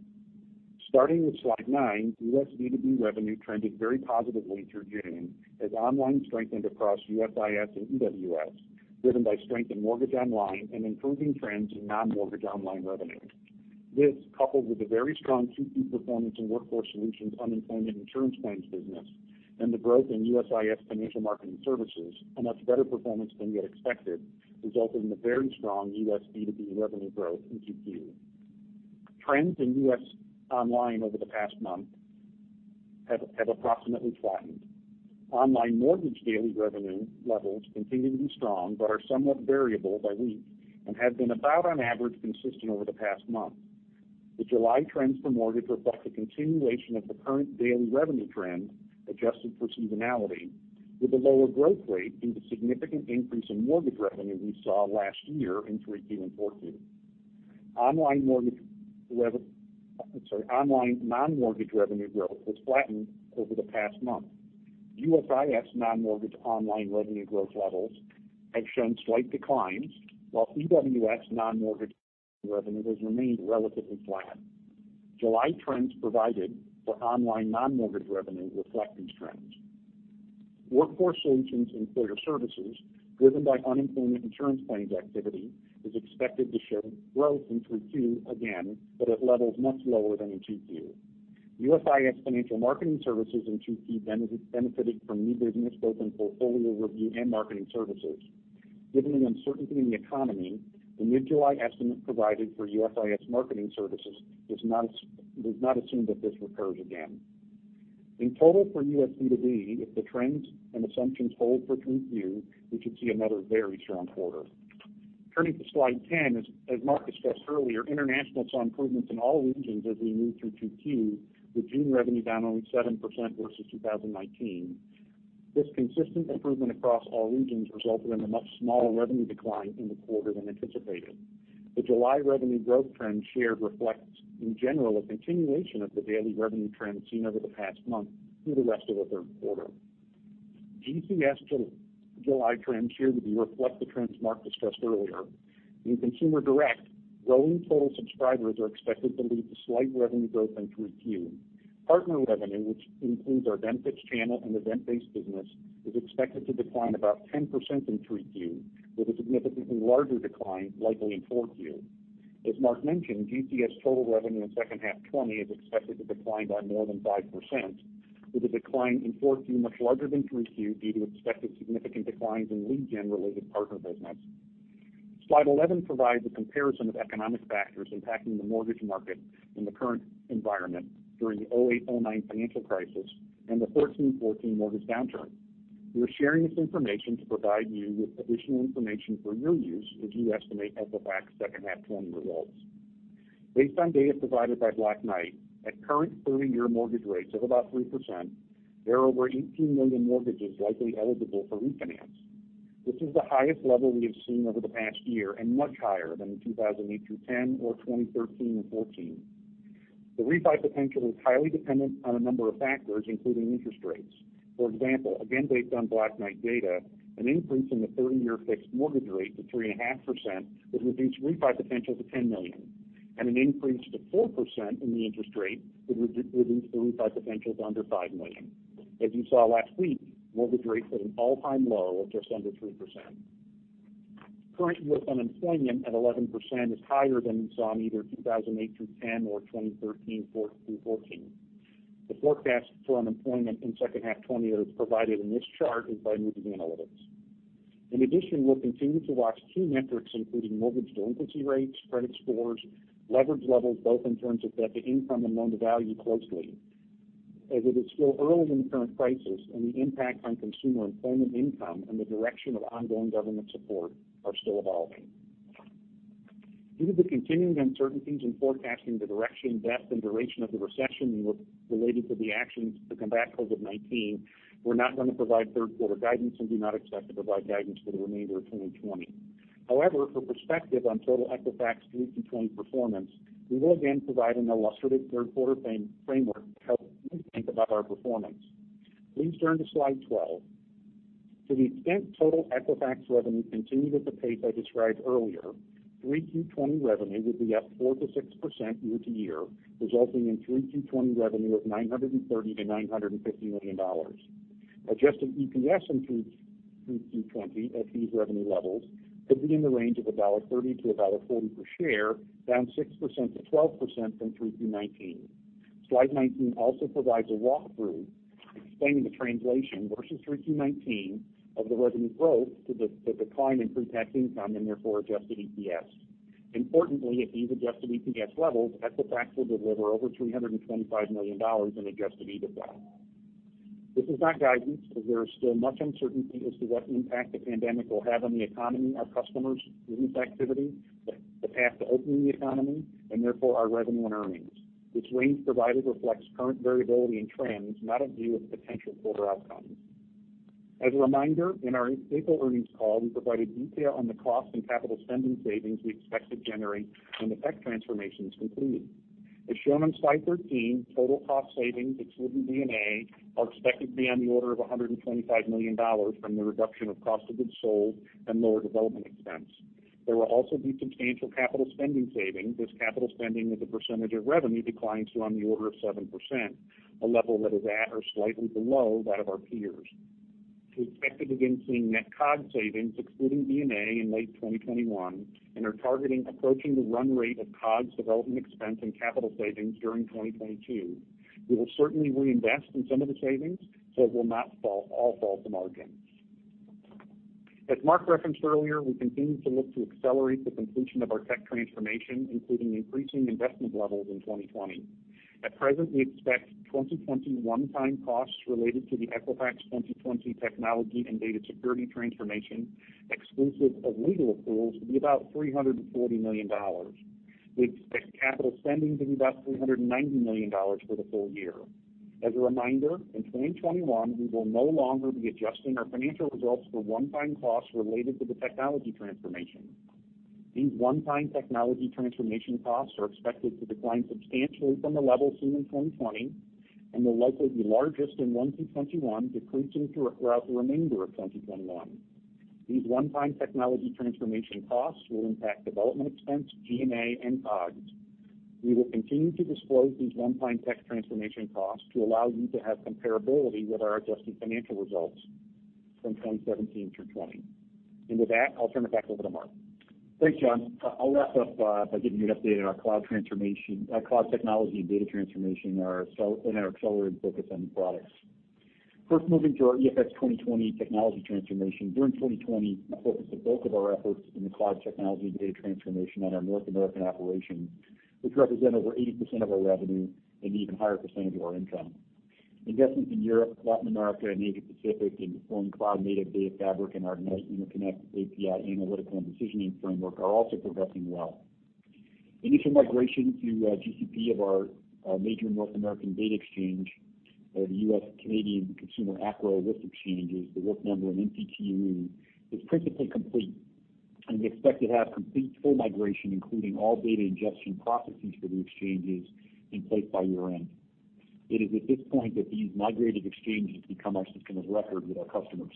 S4: Starting with slide nine, U.S. B2B revenue trended very positively through June as online strengthened across USIS and EWS, driven by strength in mortgage online and improving trends in non-mortgage online revenue. This, coupled with the very strong Q2 performance in Workforce Solutions unemployment insurance claims business and the growth in USIS Financial Marketing Services, and much better performance than we had expected, resulted in the very strong U.S. B2B revenue growth in Q2. Trends in U.S. online over the past month have approximately flattened. Online mortgage daily revenue levels continue to be strong but are somewhat variable by week and have been about on average consistent over the past month. The July trends for mortgage reflect a continuation of the current daily revenue trend, adjusted for seasonality, with a lower growth rate due to the significant increase in mortgage revenue we saw last year in Q2 and Q4. Online non-mortgage revenue growth has flattened over the past month. USIS non-mortgage online revenue growth levels have shown slight declines, while EWS non-mortgage revenue has remained relatively flat. July trends provided for online non-mortgage revenue reflect these trends. Workforce Solutions Employer Services, driven by unemployment insurance claims activity, is expected to show growth in Q2 again, but at levels much lower than in Q2. USIS Financial Marketing Services in Q2 benefited from new business both in portfolio review and marketing services. Given the uncertainty in the economy, the mid-July estimate provided for USIS marketing services does not assume that this recurs again. In total, for U.S. B2B, if the trends and assumptions hold for Q2, we should see another very strong quarter. Turning to slide 10, as Mark discussed earlier, international saw improvements in all regions as we moved through Q2, with June revenue down only 7% versus 2019. This consistent improvement across all regions resulted in a much smaller revenue decline in the quarter than anticipated. The July revenue growth trend shared reflects, in general, a continuation of the daily revenue trends seen over the past month through the rest of the third quarter. GCS July trends here would reflect the trends Mark discussed earlier. In Consumer Direct, growing total subscribers are expected to lead to slight revenue growth in Q2. Partner revenue, which includes our benefits channel and event-based business, is expected to decline about 10% in Q2, with a significantly larger decline likely in Q4. As Mark mentioned, GCS total revenue in second half 2020 is expected to decline by more than 5%, with a decline in Q4 much larger than Q3 due to expected significant declines in lead gen-related partner business. Slide 11 provides a comparison of economic factors impacting the mortgage market in the current environment during the 2008-2009 financial crisis and the 2013-2014 mortgage downturn. We're sharing this information to provide you with additional information for your use as you estimate Equifax second half 2020 results. Based on data provided by Black Knight, at current 30-year mortgage rates of about 3%, there are over 18 million mortgages likely eligible for refinance. This is the highest level we have seen over the past year and much higher than in 2008-2010 or 2013-2014. The refi potential is highly dependent on a number of factors, including interest rates. For example, again based on Black Knight data, an increase in the 30-year fixed mortgage rate to 3.5% would reduce refi potential to 10 million, and an increase to 4% in the interest rate would reduce the refi potential to under 5 million. As you saw last week, mortgage rates hit an all-time low of just under 3%. Current U.S. unemployment at 11% is higher than we saw in either 2008-2010 or 2013-2014. The forecast for unemployment in second half 2020 that is provided in this chart is by Moody's Analytics. In addition, we'll continue to watch key metrics, including mortgage delinquency rates, credit scores, leverage levels, both in terms of debt-to-income and loan-to-value, closely, as it is still early in the current crisis and the impact on consumer employment income and the direction of ongoing government support are still evolving. Due to the continuing uncertainties in forecasting the direction, depth, and duration of the recession related to the actions to combat COVID-19, we're not going to provide third-quarter guidance and do not expect to provide guidance for the remainder of 2020. However, for perspective on total Equifax Q2 2020 performance, we will again provide an illustrative third-quarter framework to help you think about our performance. Please turn to slide 12. To the extent total Equifax revenue continued at the pace I described earlier, Q3 2020 revenue would be up 4%-6% year-to-year, resulting in Q3 2020 revenue of $930 million-$950 million. Adjusted EPS in Q3 2020 at these revenue levels could be in the range of $1.30-$1.40 per share, down 6%-12% from Q3 2019. Slide 19 also provides a walkthrough explaining the translation versus Q3 2019 of the revenue growth to the decline in pre-tax income and therefore adjusted EPS. Importantly, at these adjusted EPS levels, Equifax will deliver over $325 million in adjusted EBITDA. This is not guidance because there is still much uncertainty as to what impact the pandemic will have on the economy, our customers, business activity, the path to opening the economy, and therefore our revenue and earnings. This range provided reflects current variability and trends, not a view of potential quarter outcomes. As a reminder, in our April earnings call, we provided detail on the cost and capital spending savings we expect to generate when the tech transformation is completed. As shown on slide 13, total cost savings, excluding DNA, are expected to be on the order of $125 million from the reduction of cost of goods sold and lower development expense. There will also be substantial capital spending savings as capital spending with a percentage of revenue declines to on the order of 7%, a level that is at or slightly below that of our peers. We expect to begin seeing net COGS savings, excluding DNA, in late 2021 and are targeting approaching the run rate of COGS, development expense, and capital savings during 2022. We will certainly reinvest in some of the savings so it will not all fall to margin. As Mark referenced earlier, we continue to look to accelerate the completion of our tech transformation, including increasing investment levels in 2020. At present, we expect 2021 time costs related to the Equifax 2020 technology and data security transformation, exclusive of legal accruals, to be about $340 million. We expect capital spending to be about $390 million for the full year. As a reminder, in 2021, we will no longer be adjusting our financial results for one-time costs related to the technology transformation. These one-time technology transformation costs are expected to decline substantially from the levels seen in 2020 and will likely be largest in Q1 2021, decreasing throughout the remainder of 2021. These one-time technology transformation costs will impact development expense, DNA, and COGS. We will continue to disclose these one-time tech transformation costs to allow you to have comparability with our adjusted financial results from 2017 through 2020. With that, I'll turn it back over to Mark.
S3: Thanks, John. I'll wrap up by giving you an update on our cloud transformation, cloud technology, and data transformation in our accelerated focus on the products. First, moving to our EFX 2020 Technology Transformation, during 2020, we focused the bulk of our efforts in the cloud technology and data transformation on our North American operations, which represent over 80% of our revenue and an even higher percentage of our income. Investments in Europe, Latin America, and Asia-Pacific in deploying cloud-native data fabric and our Ignite and InterConnect API analytical and decisioning framework are also progressing well. Initial migration to GCP of our major North American data exchange, the U.S. Canadian Consumer ACRO list exchanges, The Work Number and NPT read, is principally complete, and we expect to have complete full migration, including all data ingestion processes for the exchanges in place by year-end. It is at this point that these migrated exchanges become our system of record with our customers.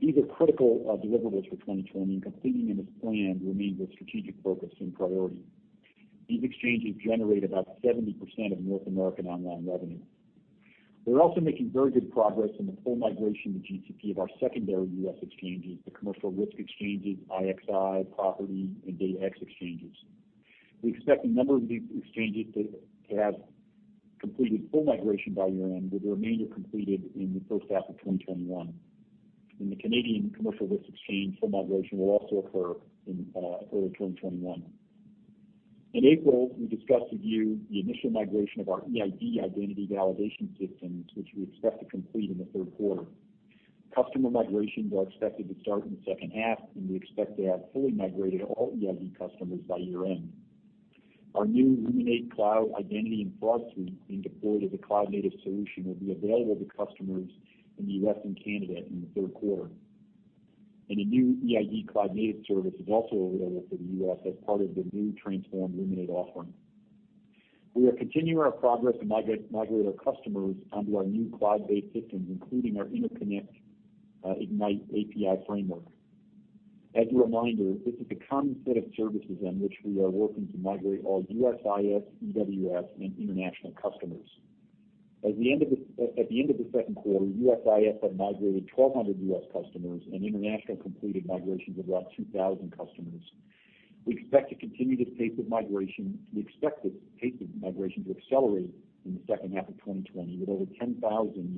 S3: These are critical deliverables for 2020, and completing them as planned remains a strategic focus and priority. These exchanges generate about 70% of North American online revenue. We're also making very good progress in the full migration to GCP of our secondary U.S. exchanges, the commercial risk exchanges, IXI, Property, and DataX exchanges. We expect a number of these exchanges to have completed full migration by year-end, with the remainder completed in the first half of 2021. The Canadian commercial risk exchange full migration will also occur in early 2021. In April, we discussed with you the initial migration of our eID identity validation systems, which we expect to complete in the third quarter. Customer migrations are expected to start in the second half, and we expect to have fully migrated all eID customers by year-end. Our new Luminate cloud identity and fraud suite, being deployed as a cloud-native solution, will be available to customers in the U.S. and Canada in the third quarter. A new eID cloud-native service is also available for the U.S as part of the new transformed Luminate offering. We are continuing our progress to migrate our customers onto our new cloud-based systems, including our InterConnect Ignite API framework. As a reminder, this is a common set of services on which we are working to migrate all USIS, EWS, and international customers. At the end of the second quarter, USIS had migrated 1,200 U.S. customers and international completed migrations of about 2,000 customers. We expect to continue this pace of migration. We expect this pace of migration to accelerate in the second half of 2020, with over 10,000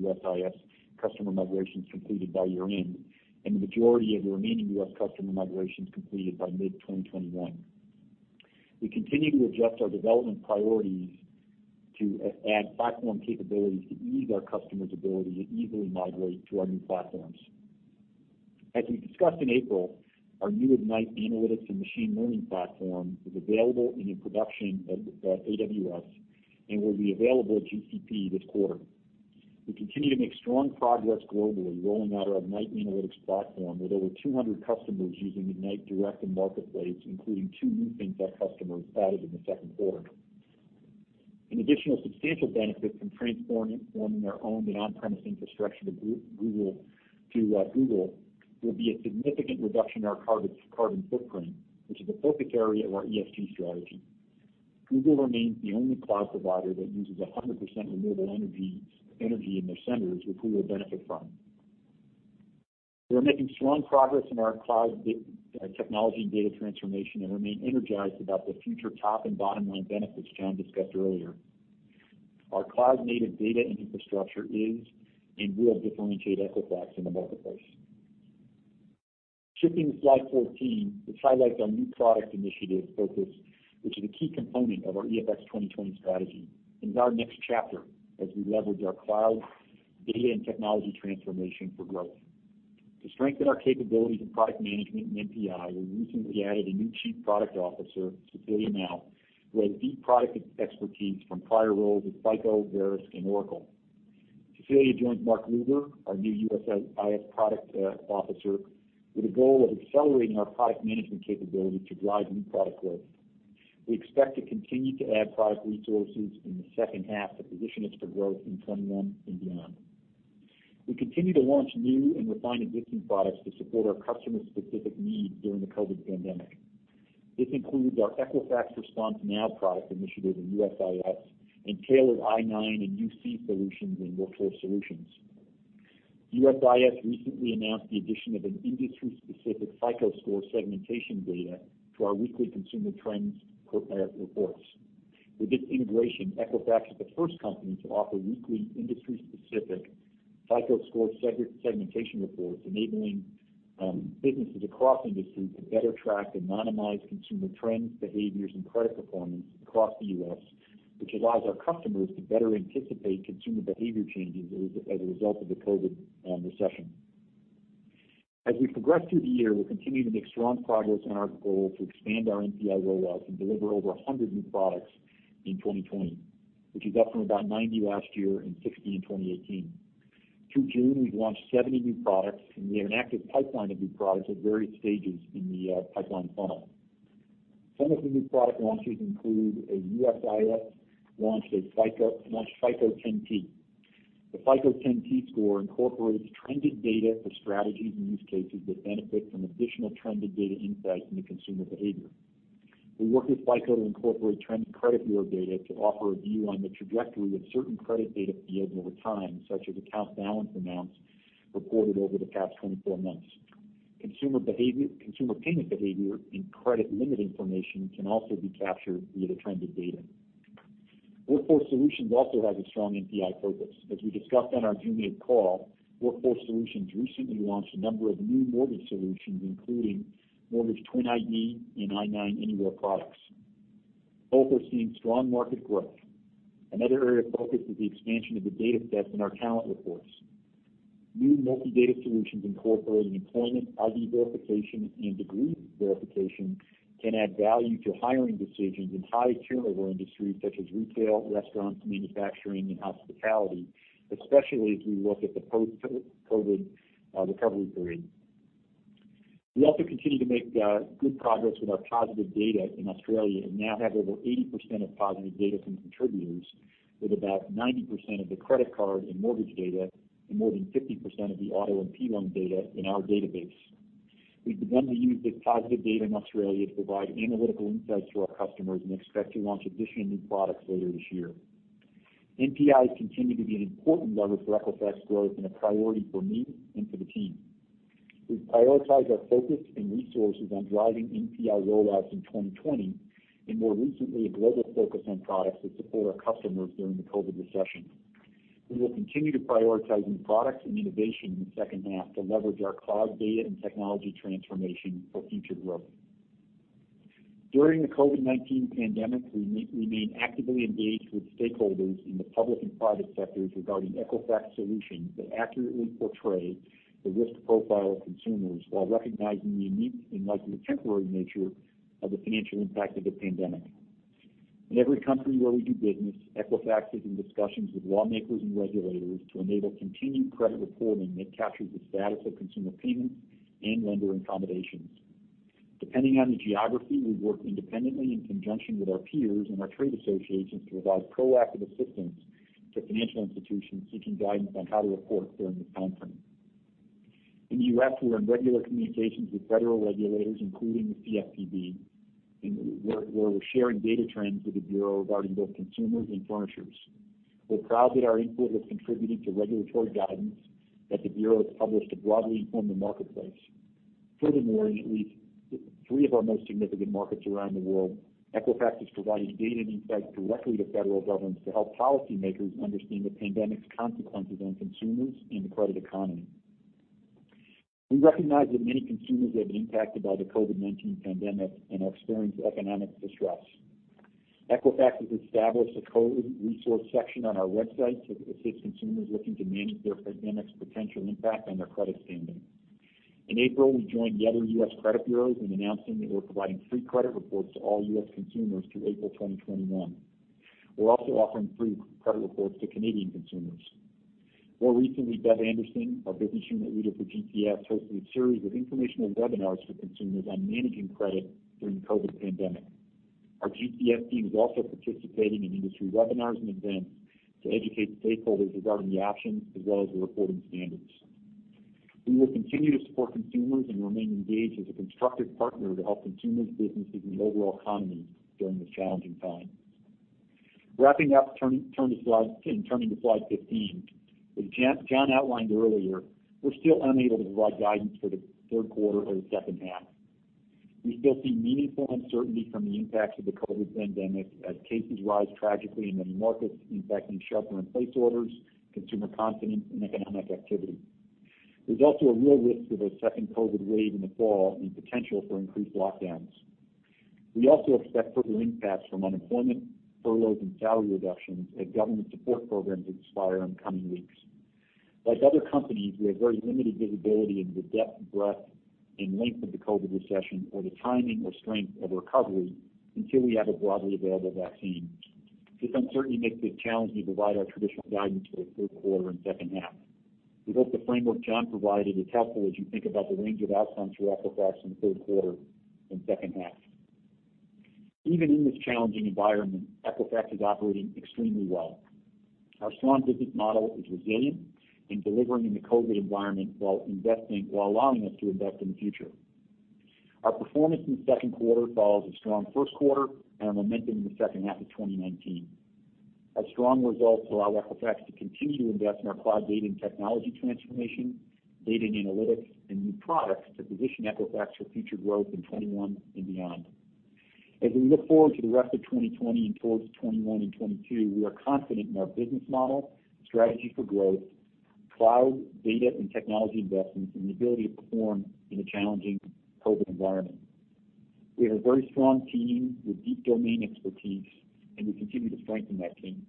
S3: USIS customer migrations completed by year-end and the majority of the remaining U.S. customer migrations completed by mid-2021. We continue to adjust our development priorities to add platform capabilities to ease our customers' ability to easily migrate to our new platforms. As we discussed in April, our new Ignite analytics and machine learning platform is available and in production at AWS and will be available at GCP this quarter. We continue to make strong progress globally, rolling out our Ignite Analytics platform with over 200 customers using Ignite Direct and Marketplace, including two new FinTech customers added in the second quarter. An additional substantial benefit from transforming our own and on-premise infrastructure to Google will be a significant reduction in our carbon footprint, which is a focus area of our ESG strategy. Google remains the only cloud provider that uses 100% renewable energy in their centers, which we will benefit from. We are making strong progress in our cloud technology and data transformation and remain energized about the future top and bottom-line benefits John discussed earlier. Our cloud-native data and infrastructure is and will differentiate Equifax in the marketplace. Shifting to slide 14, this highlights our new product initiative focus, which is a key component of our EFX2020 strategy. It is our next chapter as we leverage our cloud data and technology transformation for growth. To strengthen our capabilities in product management and MPI, we recently added a new Chief Product Officer, Cecilia Mao, who has deep product expertise from prior roles at FICO, Verisk, and Oracle. Cecilia joins Mark Luber, our new USIS Product Officer, with a goal of accelerating our product management capabilities to drive new product growth. We expect to continue to add product resources in the second half to position us for growth in 2021 and beyond. We continue to launch new and refined existing products to support our customer-specific needs during the COVID pandemic. This includes our Equifax Response NOW product initiative in USIS and tailored I-9 and UC Solutions in Workforce Solutions. USIS recently announced the addition of an industry-specific FICO score segmentation data to our weekly consumer trends reports. With this integration, Equifax is the first company to offer weekly industry-specific FICO score segmentation reports, enabling businesses across industries to better track and minimize consumer trends, behaviors, and credit performance across the U.S., which allows our customers to better anticipate consumer behavior changes as a result of the COVID recession. As we progress through the year, we're continuing to make strong progress on our goal to expand our MPI rollouts and deliver over 100 new products in 2020, which is up from about 90 last year and 60 in 2018. Through June, we've launched 70 new products, and we have an active pipeline of new products at various stages in the pipeline funnel. Some of the new product launches include a USIS launched FICO 10 T. The FICO 10 T score incorporates trended data for strategies and use cases that benefit from additional trended data insights into consumer behavior. We work with FICO to incorporate trended credit bureau data to offer a view on the trajectory of certain credit data fields over time, such as account balance amounts reported over the past 24 months. Consumer payment behavior and credit limit information can also be captured via the trended data. Workforce Solutions also has a strong MPI focus. As we discussed on our June 8th call, Workforce Solutions recently launched a number of new mortgage solutions, including mortgage TWN ID and I-9 Anywhere products. Both are seeing strong market growth. Another area of focus is the expansion of the data sets in our talent reports. New multi-data solutions incorporating employment, ID verification, and degree verification can add value to hiring decisions in high-turnover industries such as retail, restaurants, manufacturing, and hospitality, especially as we look at the post-COVID recovery period. We also continue to make good progress with our positive data in Australia and now have over 80% of positive data from contributors, with about 90% of the credit card and mortgage data and more than 50% of the auto and P1 data in our database. We have begun to use this positive data in Australia to provide analytical insights to our customers and expect to launch additional new products later this year. MPIs continue to be an important lever for Equifax growth and a priority for me and for the team. We've prioritized our focus and resources on driving MPI rollouts in 2020 and more recently a global focus on products that support our customers during the COVID recession. We will continue to prioritize new products and innovation in the second half to leverage our cloud data and technology transformation for future growth. During the COVID-19 pandemic, we remain actively engaged with stakeholders in the public and private sectors regarding Equifax solutions that accurately portray the risk profile of consumers while recognizing the unique and likely temporary nature of the financial impact of the pandemic. In every country where we do business, Equifax is in discussions with lawmakers and regulators to enable continued credit reporting that captures the status of consumer payments and lender accommodations. Depending on the geography, we work independently in conjunction with our peers and our trade associations to provide proactive assistance to financial institutions seeking guidance on how to report during this time frame. In the U.S., we're in regular communications with federal regulators, including the CFPB, where we're sharing data trends with the Bureau regarding both consumers and furnishers. We're proud that our input has contributed to regulatory guidance that the Bureau has published to broadly inform the marketplace. Furthermore, in at least three of our most significant markets around the world, Equifax is providing data and insights directly to federal governments to help policymakers understand the pandemic's consequences on consumers and the credit economy. We recognize that many consumers have been impacted by the COVID-19 pandemic and are experiencing economic distress. Equifax has established a code resource section on our website to assist consumers looking to manage their pandemic's potential impact on their credit standing. In April, we joined the other U.S. credit bureaus in announcing that we're providing free credit reports to all U.S. consumers through April 2021. We're also offering free credit reports to Canadian consumers. More recently, Bev Anderson, our Business Unit Leader for GCS, hosted a series of informational webinars for consumers on managing credit during the COVID pandemic. Our GCS team is also participating in industry webinars and events to educate stakeholders regarding the options as well as the reporting standards. We will continue to support consumers and remain engaged as a constructive partner to help consumers, businesses, and the overall economy during this challenging time. Wrapping up, turning to slide 15. As John outlined earlier, we're still unable to provide guidance for the third quarter or the second half. We still see meaningful uncertainty from the impacts of the COVID pandemic as cases rise tragically in many markets, impacting shelter-in-place orders, consumer confidence, and economic activity. There's also a real risk of a second COVID wave in the fall and potential for increased lockdowns. We also expect further impacts from unemployment, furloughs, and salary reductions as government support programs expire in the coming weeks. Like other companies, we have very limited visibility into the depth, breadth, and length of the COVID recession or the timing or strength of recovery until we have a broadly available vaccine. This uncertainty makes it challenging to provide our traditional guidance for the third quarter and second half. We hope the framework John provided is helpful as you think about the range of outcomes for Equifax in the third quarter and second half. Even in this challenging environment, Equifax is operating extremely well. Our strong business model is resilient and delivering in the COVID environment while allowing us to invest in the future. Our performance in the second quarter follows a strong first quarter and a momentum in the second half of 2019. Our strong results allow Equifax to continue to invest in our cloud data and technology transformation, data and analytics, and new products to position Equifax for future growth in 2021 and beyond. As we look forward to the rest of 2020 and towards 2021 and 2022, we are confident in our business model, strategy for growth, cloud data and technology investments, and the ability to perform in a challenging COVID environment. We have a very strong team with deep domain expertise, and we continue to strengthen that team.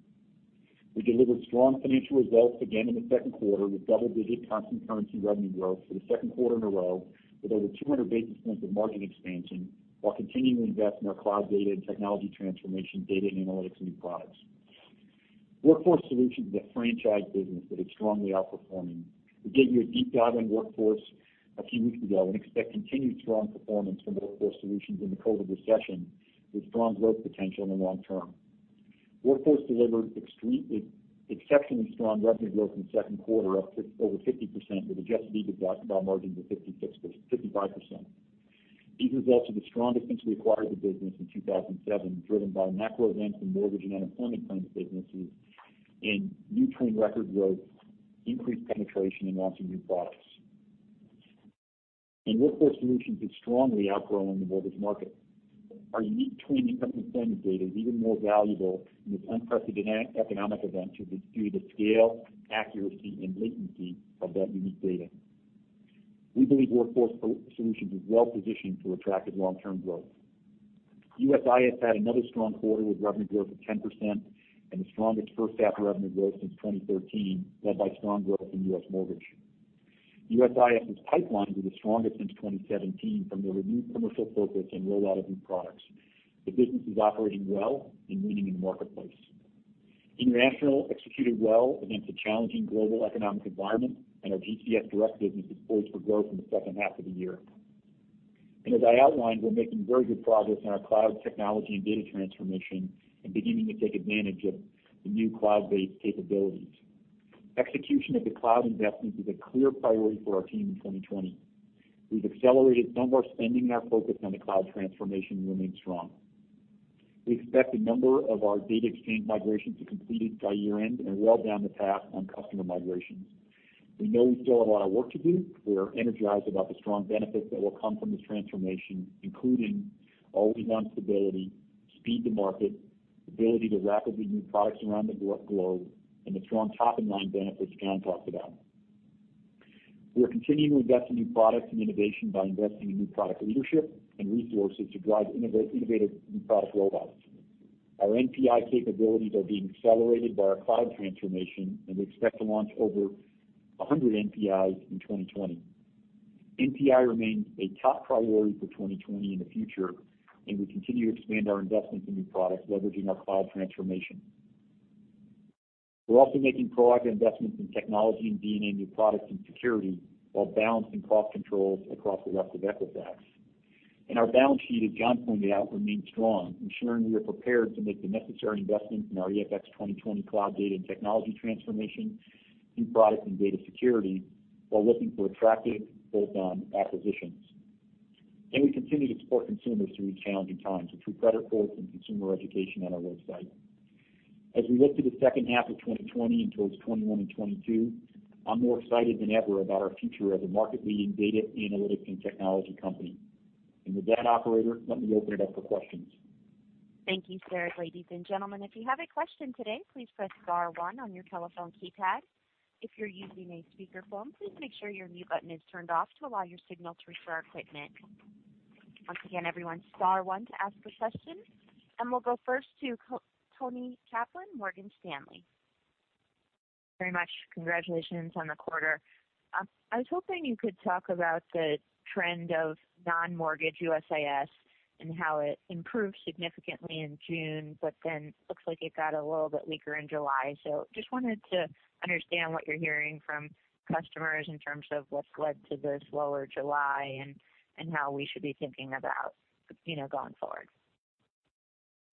S3: We delivered strong financial results again in the second quarter with double-digit constant currency revenue growth for the second quarter in a row, with over 200 basis points of margin expansion while continuing to invest in our cloud data and technology transformation, data and analytics, and new products. Workforce Solutions is a franchise business that is strongly outperforming. We gave you a deep dive on Workforce a few weeks ago and expect continued strong performance from Workforce Solutions in the COVID recession with strong growth potential in the long term. Workforce delivered exceptionally strong revenue growth in the second quarter, up over 50%, with adjusted EBITDA margins of 55%. These results are the strongest since we acquired the business in 2007, driven by macro events in mortgage and unemployment claims businesses and new TWN record growth, increased penetration, and launching new products. Workforce Solutions is strongly outgrowing the mortgage market. Our unique TWN income and employment data is even more valuable in this unprecedented economic event due to the scale, accuracy, and latency of that unique data. We believe Workforce Solutions is well positioned for attractive long-term growth. USIS had another strong quarter with revenue growth of 10% and the strongest first-half revenue growth since 2013, led by strong growth in U.S. mortgage. USIS's pipelines are the strongest since 2017 from their renewed commercial focus and rollout of new products. The business is operating well and winning in the marketplace. International executed well against a challenging global economic environment, and our GCS direct business is poised for growth in the second half of the year. As I outlined, we are making very good progress in our cloud technology and data transformation and beginning to take advantage of the new cloud-based capabilities. Execution of the cloud investments is a clear priority for our team in 2020. We have accelerated some of our spending and our focus on the cloud transformation remains strong. We expect a number of our data exchange migrations to be completed by year-end and are well down the path on customer migrations. We know we still have a lot of work to do. We are energized about the strong benefits that will come from this transformation, including all-week-round stability, speed to market, ability to rapidly move products around the globe, and the strong top-of-mind benefits John talked about. We're continuing to invest in new products and innovation by investing in new product leadership and resources to drive innovative new product rollouts. Our MPI capabilities are being accelerated by our cloud transformation, and we expect to launch over 100 MPIs in 2020. MPI remains a top priority for 2020 and the future, and we continue to expand our investments in new products, leveraging our cloud transformation. We're also making broad investments in technology and DNA new products and security while balancing cost controls across the rest of Equifax. Our balance sheet, as John pointed out, remains strong, ensuring we are prepared to make the necessary investments in our EFX 2020 cloud data and technology transformation, new products, and data security while looking for attractive bolt-on acquisitions. We continue to support consumers through these challenging times, which we credit for through consumer education on our website. As we look to the second half of 2020 and towards 2021 and 2022, I'm more excited than ever about our future as a market-leading data analytics and technology company. With that, operator, let me open it up for questions.
S1: Thank you, sir. Ladies and gentlemen, if you have a question today, please press star one on your telephone keypad. If you're using a speakerphone, please make sure your mute button is turned off to allow your signal through to our equipment. Once again, everyone, star one to ask a question. We'll go first to Toni Kaplan, Morgan Stanley.
S5: Very much. Congratulations on the quarter. I was hoping you could talk about the trend of non-mortgage USIS and how it improved significantly in June, but then it looks like it got a little bit weaker in July. Just wanted to understand what you're hearing from customers in terms of what's led to this lower July and how we should be thinking about going forward.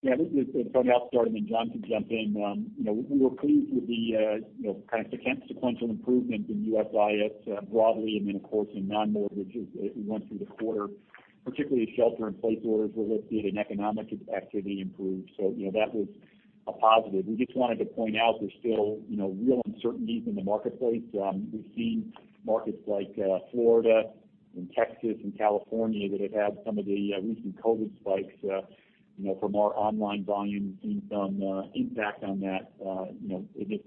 S3: Yeah. Toni, I'll start and then John can jump in. We were pleased with the kind of sequential improvement in USIS broadly and then, of course, in non-mortgages. We went through the quarter, particularly as shelter-in-place orders were lifted and economic activity improved. That was a positive. We just wanted to point out there's still real uncertainties in the marketplace. We've seen markets like Florida and Texas and California that have had some of the recent COVID spikes. From our online volumes, we're seeing some impact on that. It's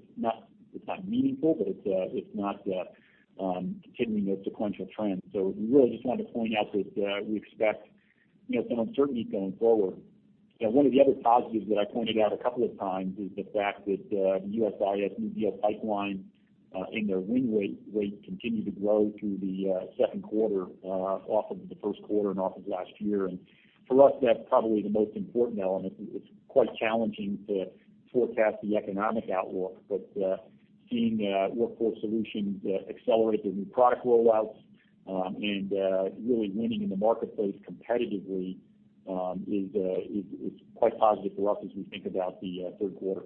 S3: not meaningful, but it's not continuing those sequential trends. We really just wanted to point out that we expect some uncertainty going forward. One of the other positives that I pointed out a couple of times is the fact that the USIS new deal pipeline and their win rate continued to grow through the second quarter off of the first quarter and off of last year. For us, that's probably the most important element. It's quite challenging to forecast the economic outlook, but seeing Workforce Solutions accelerate their new product rollouts and really winning in the marketplace competitively is quite positive for us as we think about the third quarter.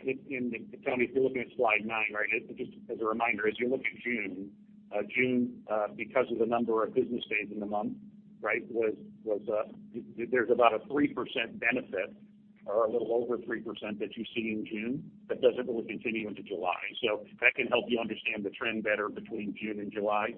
S4: Tony, if you're looking at slide nine, right, just as a reminder, as you look at June, June, because of the number of business days in the month, right, there's about a 3% benefit or a little over 3% that you see in June that doesn't really continue into July. That can help you understand the trend better between June and July.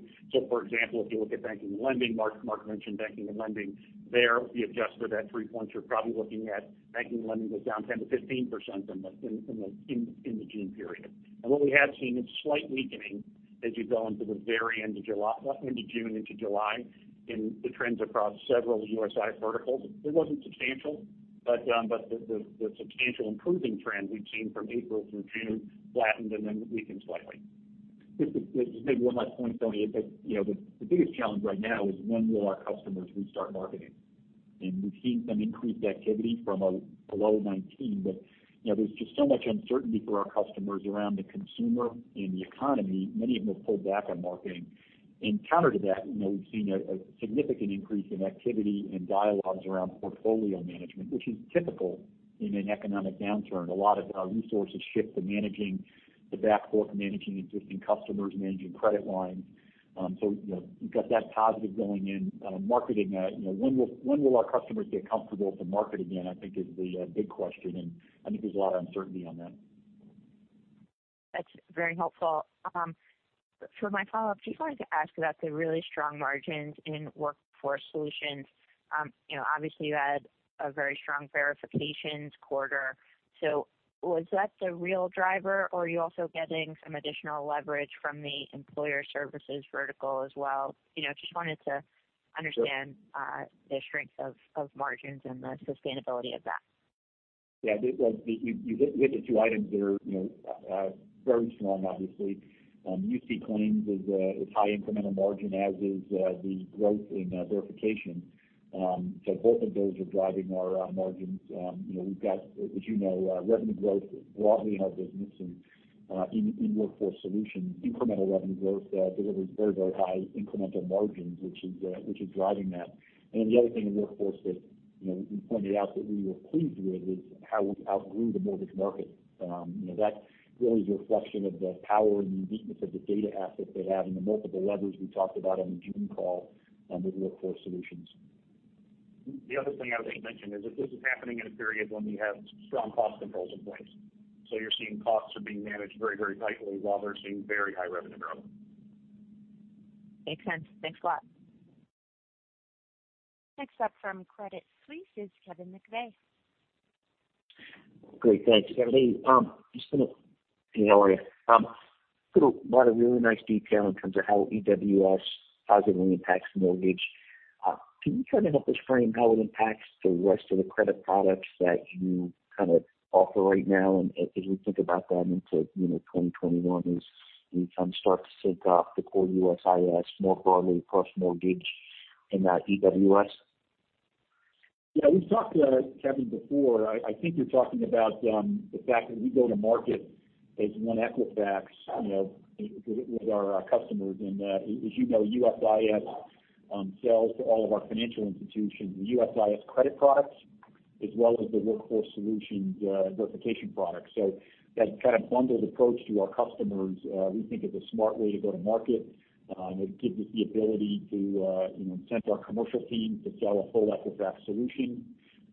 S4: For example, if you look at banking and lending, Mark mentioned banking and lending there, if you adjust for that three points, you're probably looking at banking and lending goes down 10%-15% in the June period. What we have seen is slight weakening as you go into the very end of June into July in the trends across several USIS verticals. It wasn't substantial, but the substantial improving trend we've seen from April through June flattened and then weakened slightly.
S3: This is maybe one last point, Tony, the biggest challenge right now is when will our customers restart marketing? We've seen some increased activity from a low 2019, but there's just so much uncertainty for our customers around the consumer and the economy. Many of them have pulled back on marketing. Counter to that, we've seen a significant increase in activity and dialogues around portfolio management, which is typical in an economic downturn. A lot of resources shift to managing the backhook, managing existing customers, managing credit lines. You have that positive going in. Marketing, when will our customers get comfortable to market again, I think, is the big question. I think there's a lot of uncertainty on that.
S5: That's very helpful. For my follow-up, just wanted to ask about the really strong margins in Workforce Solutions. Obviously, you had a very strong verifications quarter. Was that the real driver, or are you also getting some additional leverage from the Employer Services vertical as well? Just wanted to understand the strength of margins and the sustainability of that.
S3: Yeah, you hit the two items that are very strong, obviously. UC claims is high incremental margin, as is the growth in verification. Both of those are driving our margins. We've got, as you know, revenue growth broadly in our business and in Workforce Solutions. Incremental revenue growth delivers very, very high incremental margins, which is driving that. The other thing in Workforce that we pointed out that we were pleased with is how we outgrew the mortgage market. That really is a reflection of the power and the uniqueness of the data assets they have and the multiple levers we talked about on the June call with Workforce Solutions.
S4: The other thing I was going to mention is that this is happening in a period when we have strong cost controls in place. You're seeing costs are being managed very, very tightly while they're seeing very high revenue growth.
S5: Makes sense. Thanks a lot.
S1: Next up from Credit Suisse is Kevin McVeigh.
S6: Great. Thanks, Kevin. Hey, just going to. Hey, how are you? I've got a lot of really nice detail in terms of how EWS positively impacts mortgage. Can you kind of help us frame how it impacts the rest of the credit products that you kind of offer right now? As we think about that into 2021, as we kind of start to sync up the core USIS more broadly across mortgage and EWS?
S3: Yeah, we've talked to Kevin before. I think you're talking about the fact that we go to market as one Equifax with our customers. As you know, USIS sells to all of our financial institutions, the USIS credit products, as well as the Workforce Solutions verification products. That kind of bundled approach to our customers, we think is a smart way to go to market. It gives us the ability to incent our commercial teams to sell a full Equifax solution.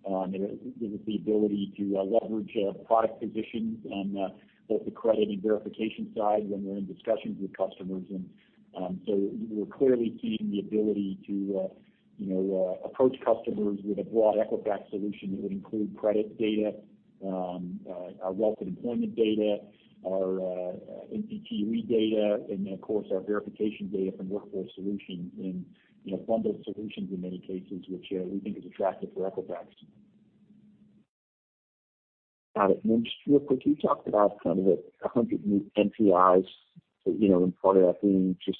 S3: It gives us the ability to leverage product positions on both the credit and verification side when we're in discussions with customers. We are clearly seeing the ability to approach customers with a broad Equifax solution that would include credit data, our wealth and employment data, our NPTE data, and then, of course, our verification data from Workforce Solutions and bundled solutions in many cases, which we think is attractive for Equifax.
S6: Got it. Real quick, you talked about kind of 100 new MPIs and part of that being just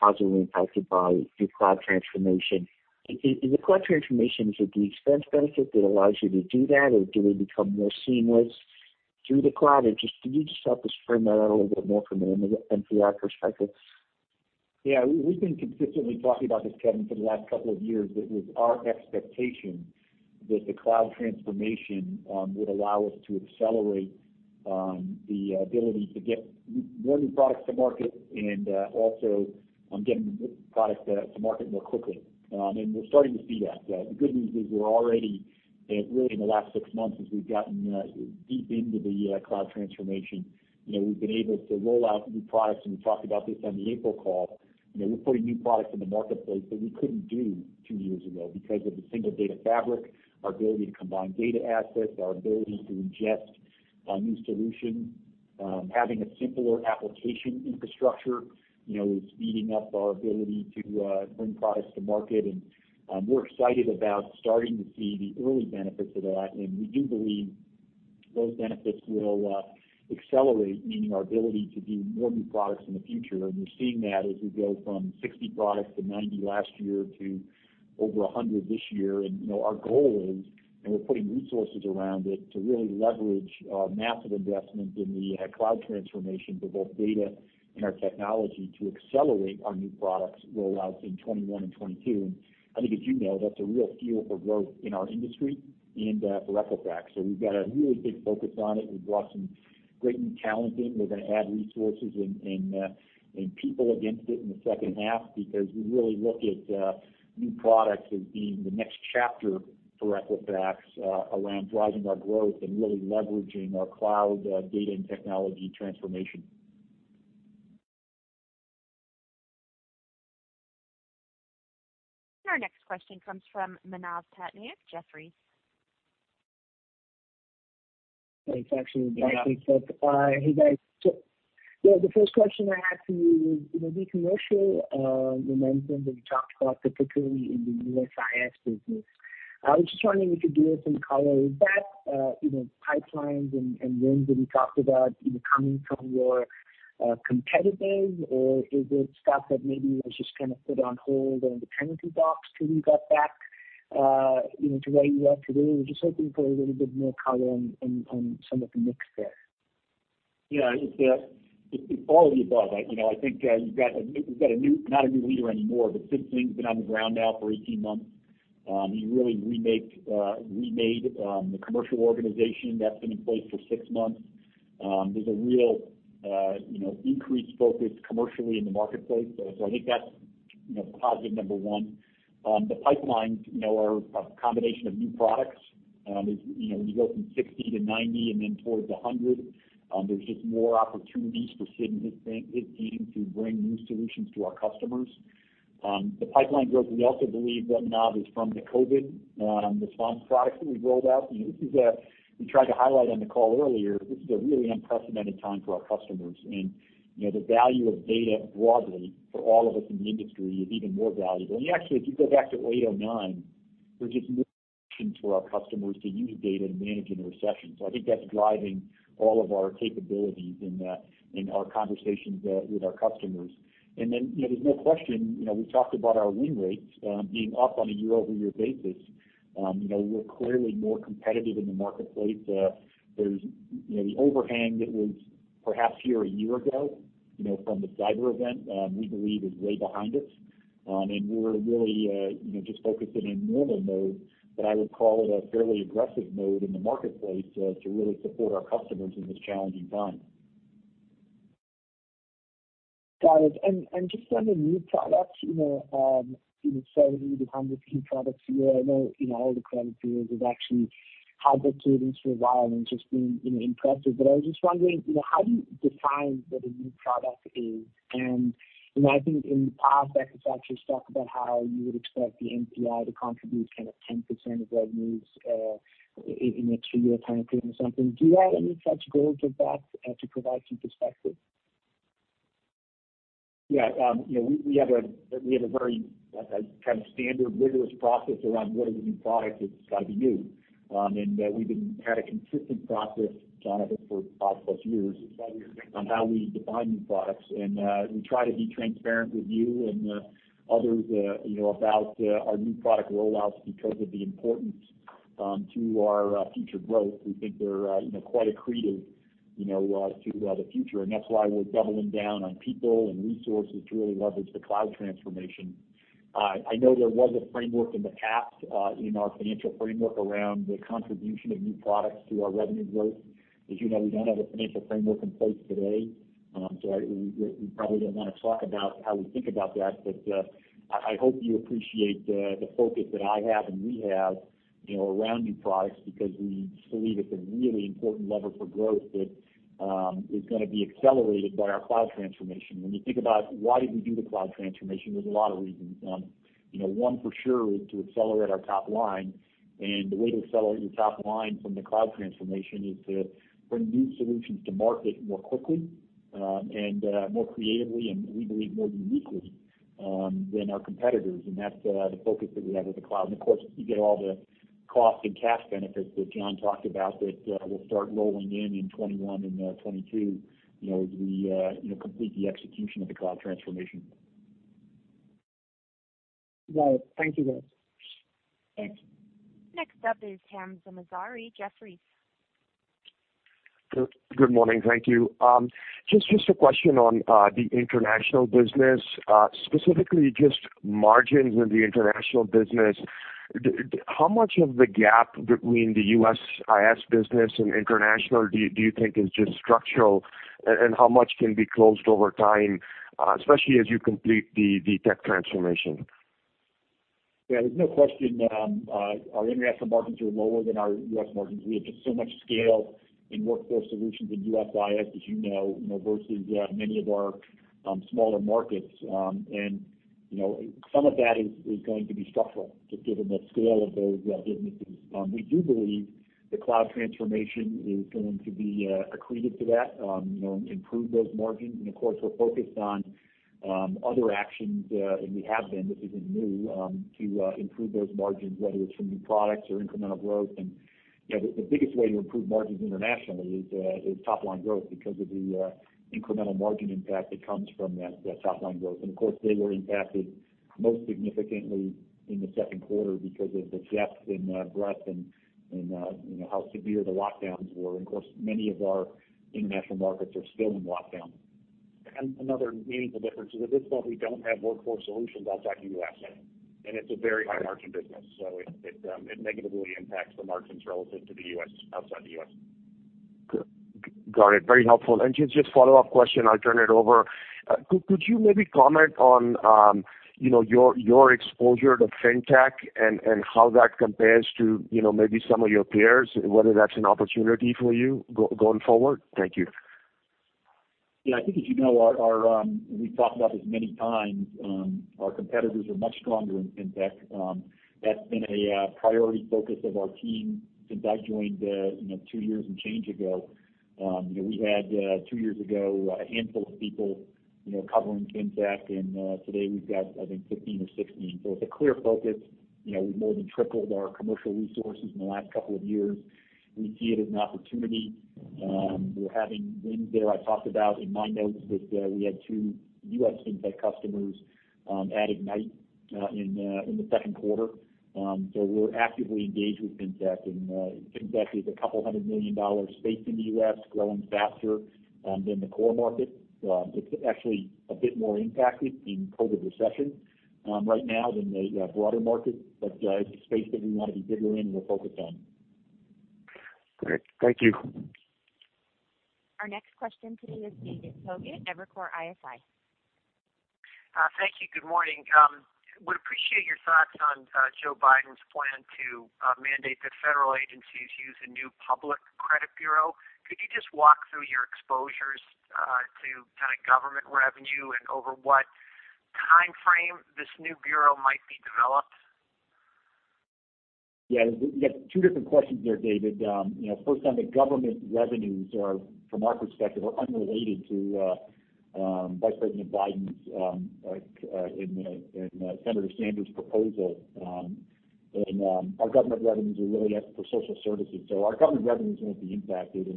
S6: positively impacted by your cloud transformation. Is the cloud transformation sort of the expense benefit that allows you to do that, or do they become more seamless through the cloud? Could you just help us frame that out a little bit more from an NTI perspective?
S3: Yeah, we've been consistently talking about this, Kevin, for the last couple of years. It was our expectation that the cloud transformation would allow us to accelerate the ability to get more new products to market and also get products to market more quickly. We're starting to see that. The good news is we're already, really in the last six months, as we've gotten deep into the cloud transformation, we've been able to roll out new products. We talked about this on the April call. We're putting new products in the marketplace that we couldn't do two years ago because of the single data fabric, our ability to combine data assets, our ability to ingest new solutions, having a simpler application infrastructure is speeding up our ability to bring products to market. We are excited about starting to see the early benefits of that. We do believe those benefits will accelerate, meaning our ability to do more new products in the future. We are seeing that as we go from 60 products to 90 last year to over 100 this year. Our goal is, and we're putting resources around it, to really leverage our massive investment in the cloud transformation for both data and our technology to accelerate our new products rollouts in 2021 and 2022. I think, as you know, that's a real fuel for growth in our industry and for Equifax. We have a really big focus on it. We brought some great new talent in. We're going to add resources and people against it in the second half because we really look at new products as being the next chapter for Equifax around driving our growth and really leveraging our cloud data and technology transformation.
S1: Our next question comes from Manav Patnaik, Jeffries.
S7: Hey, it's actually. Hey, guys. The first question I had for you is the commercial momentum that you talked about, particularly in the USIS business. I was just wondering if you could give us some colors. Is that pipelines and wins that we talked about coming from your competitors, or is it stuff that maybe was just kind of put on hold or on the penalty box till you got back to where you are today? We're just hoping for a little bit more color on some of the mix there.
S3: Yeah, it's all of the above. I think you've got a new—not a new leader anymore, but Sid Singh's been on the ground now for 18 months. He really remade the commercial organization that's been in place for six months. There's a real increased focus commercially in the marketplace. I think that's positive number one. The pipelines are a combination of new products. When you go from 60 to 90 and then towards 100, there's just more opportunities for Sid and his team to bring new solutions to our customers. The pipeline growth, we also believe that, Manav, is from the COVID response products that we've rolled out. We tried to highlight on the call earlier, this is a really unprecedented time for our customers. The value of data broadly for all of us in the industry is even more valuable. Actually, if you go back to 2008, 2009, there were just new options for our customers to use data to manage in a recession. I think that's driving all of our capabilities in our conversations with our customers. There is no question we talked about our win rates being up on a year-over-year basis. We're clearly more competitive in the marketplace. The overhang that was perhaps here a year ago from the cyber event, we believe, is way behind us. We're really just focused in a normal mode, but I would call it a fairly aggressive mode in the marketplace to really support our customers in this challenging time.
S8: Got it. Just on the new products, 70-100 new products a year, I know all the credit bureaus have actually had their cadence for a while and just been impressive. I was just wondering, how do you define what a new product is? I think in the past, Equifax has talked about how you would expect the MPI to contribute kind of 10% of revenues in a three-year time frame or something. Do you have any such goals with that to provide some perspective?
S3: Yeah, we have a very kind of standard, rigorous process around what a new product is. It's got to be new. We have had a consistent process for five plus years on how we define new products. We try to be transparent with you and others about our new product rollouts because of the importance to our future growth. We think they are quite accretive to the future. That is why we are doubling down on people and resources to really leverage the cloud transformation. I know there was a framework in the past in our financial framework around the contribution of new products to our revenue growth. As you know, we do not have a financial framework in place today. We probably do not want to talk about how we think about that. I hope you appreciate the focus that I have and we have around new products because we believe it is a really important lever for growth that is going to be accelerated by our cloud transformation. When you think about why did we do the cloud transformation, there are a lot of reasons. One for sure is to accelerate our top line. The way to accelerate your top line from the cloud transformation is to bring new solutions to market more quickly and more creatively and, we believe, more uniquely than our competitors. That is the focus that we have with the cloud. Of course, you get all the cost and cash benefits that John talked about that will start rolling in in 2021 and 2022 as we complete the execution of the cloud transformation.
S7: Got it. Thank you guys. Thanks.
S1: Next up is Hamza Mazari, Jefferies.
S9: Good morning. Thank you. Just a question on the international business, specifically just margins in the international business. How much of the gap between the USIS business and international do you think is just structural, and how much can be closed over time, especially as you complete the tech transformation?
S3: Yeah, there's no question our international margins are lower than our U.S. margins. We have just so much scale in Workforce Solutions and USIS, as you know, versus many of our smaller markets. Some of that is going to be structural, just given the scale of those businesses. We do believe the cloud transformation is going to be accretive to that, improve those margins. Of course, we're focused on other actions, and we have been. This isn't new, to improve those margins, whether it's from new products or incremental growth. The biggest way to improve margins internationally is top-line growth because of the incremental margin impact that comes from that top-line growth. Of course, they were impacted most significantly in the second quarter because of the depth and breadth and how severe the lockdowns were. Of course, many of our international markets are still in lockdown.
S4: Another meaningful difference is at this point, we do not have Workforce Solutions outside the U.S., and it is a very high-margin business. It negatively impacts the margins relative to the U.S. outside the U.S.
S9: Got it. Very helpful. Just follow-up question, I will turn it over. Could you maybe comment on your exposure to FinTech and how that compares to maybe some of your peers, whether that is an opportunity for you going forward? Thank you.
S3: Yeah, I think, as you know, we have talked about this many times, our competitors are much stronger in FinTech. That has been a priority focus of our team since I joined two years and change ago. We had, two years ago, a handful of people covering FinTech, and today we have, I think, 15 or 16. It is a clear focus. We have more than tripled our commercial resources in the last couple of years. We see it as an opportunity. We are having wins there. I talked about in my notes that we had two U.S. FinTech customers add Ignite in the second quarter. We are actively engaged with FinTech. FinTech is a couple hundred million dollars space in the U.S., growing faster than the core market. It is actually a bit more impacted in COVID recession right now than the broader market. It is a space that we want to be bigger in and we are focused on.
S9: Great. Thank you.
S1: Our next question today is David Togut, Evercore ISI.
S10: Thank you. Good morning. We'd appreciate your thoughts on Joe Biden's plan to mandate that federal agencies use a new public credit bureau. Could you just walk through your exposures to kind of government revenue and over what time frame this new bureau might be developed?
S3: Yeah, you got two different questions there, David. First, on the government revenues, from our perspective, are unrelated to Vice President Biden's and Senator Sanders' proposal. Our government revenues are really for social services. Our government revenues won't be impacted.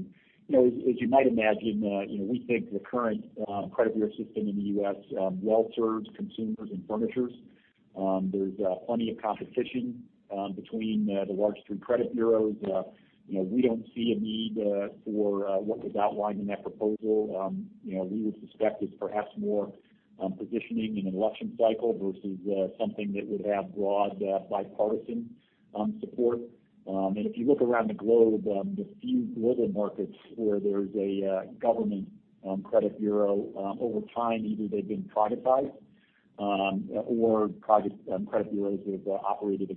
S3: As you might imagine, we think the current credit bureau system in the U.S. well-serves consumers and furnishers. There's plenty of competition between the large three credit bureaus. We don't see a need for what was outlined in that proposal. We would suspect it's perhaps more positioning in an election cycle versus something that would have broad bipartisan support. If you look around the globe, the few global markets where there is a government credit bureau, over time, either they have been privatized or credit bureaus have operated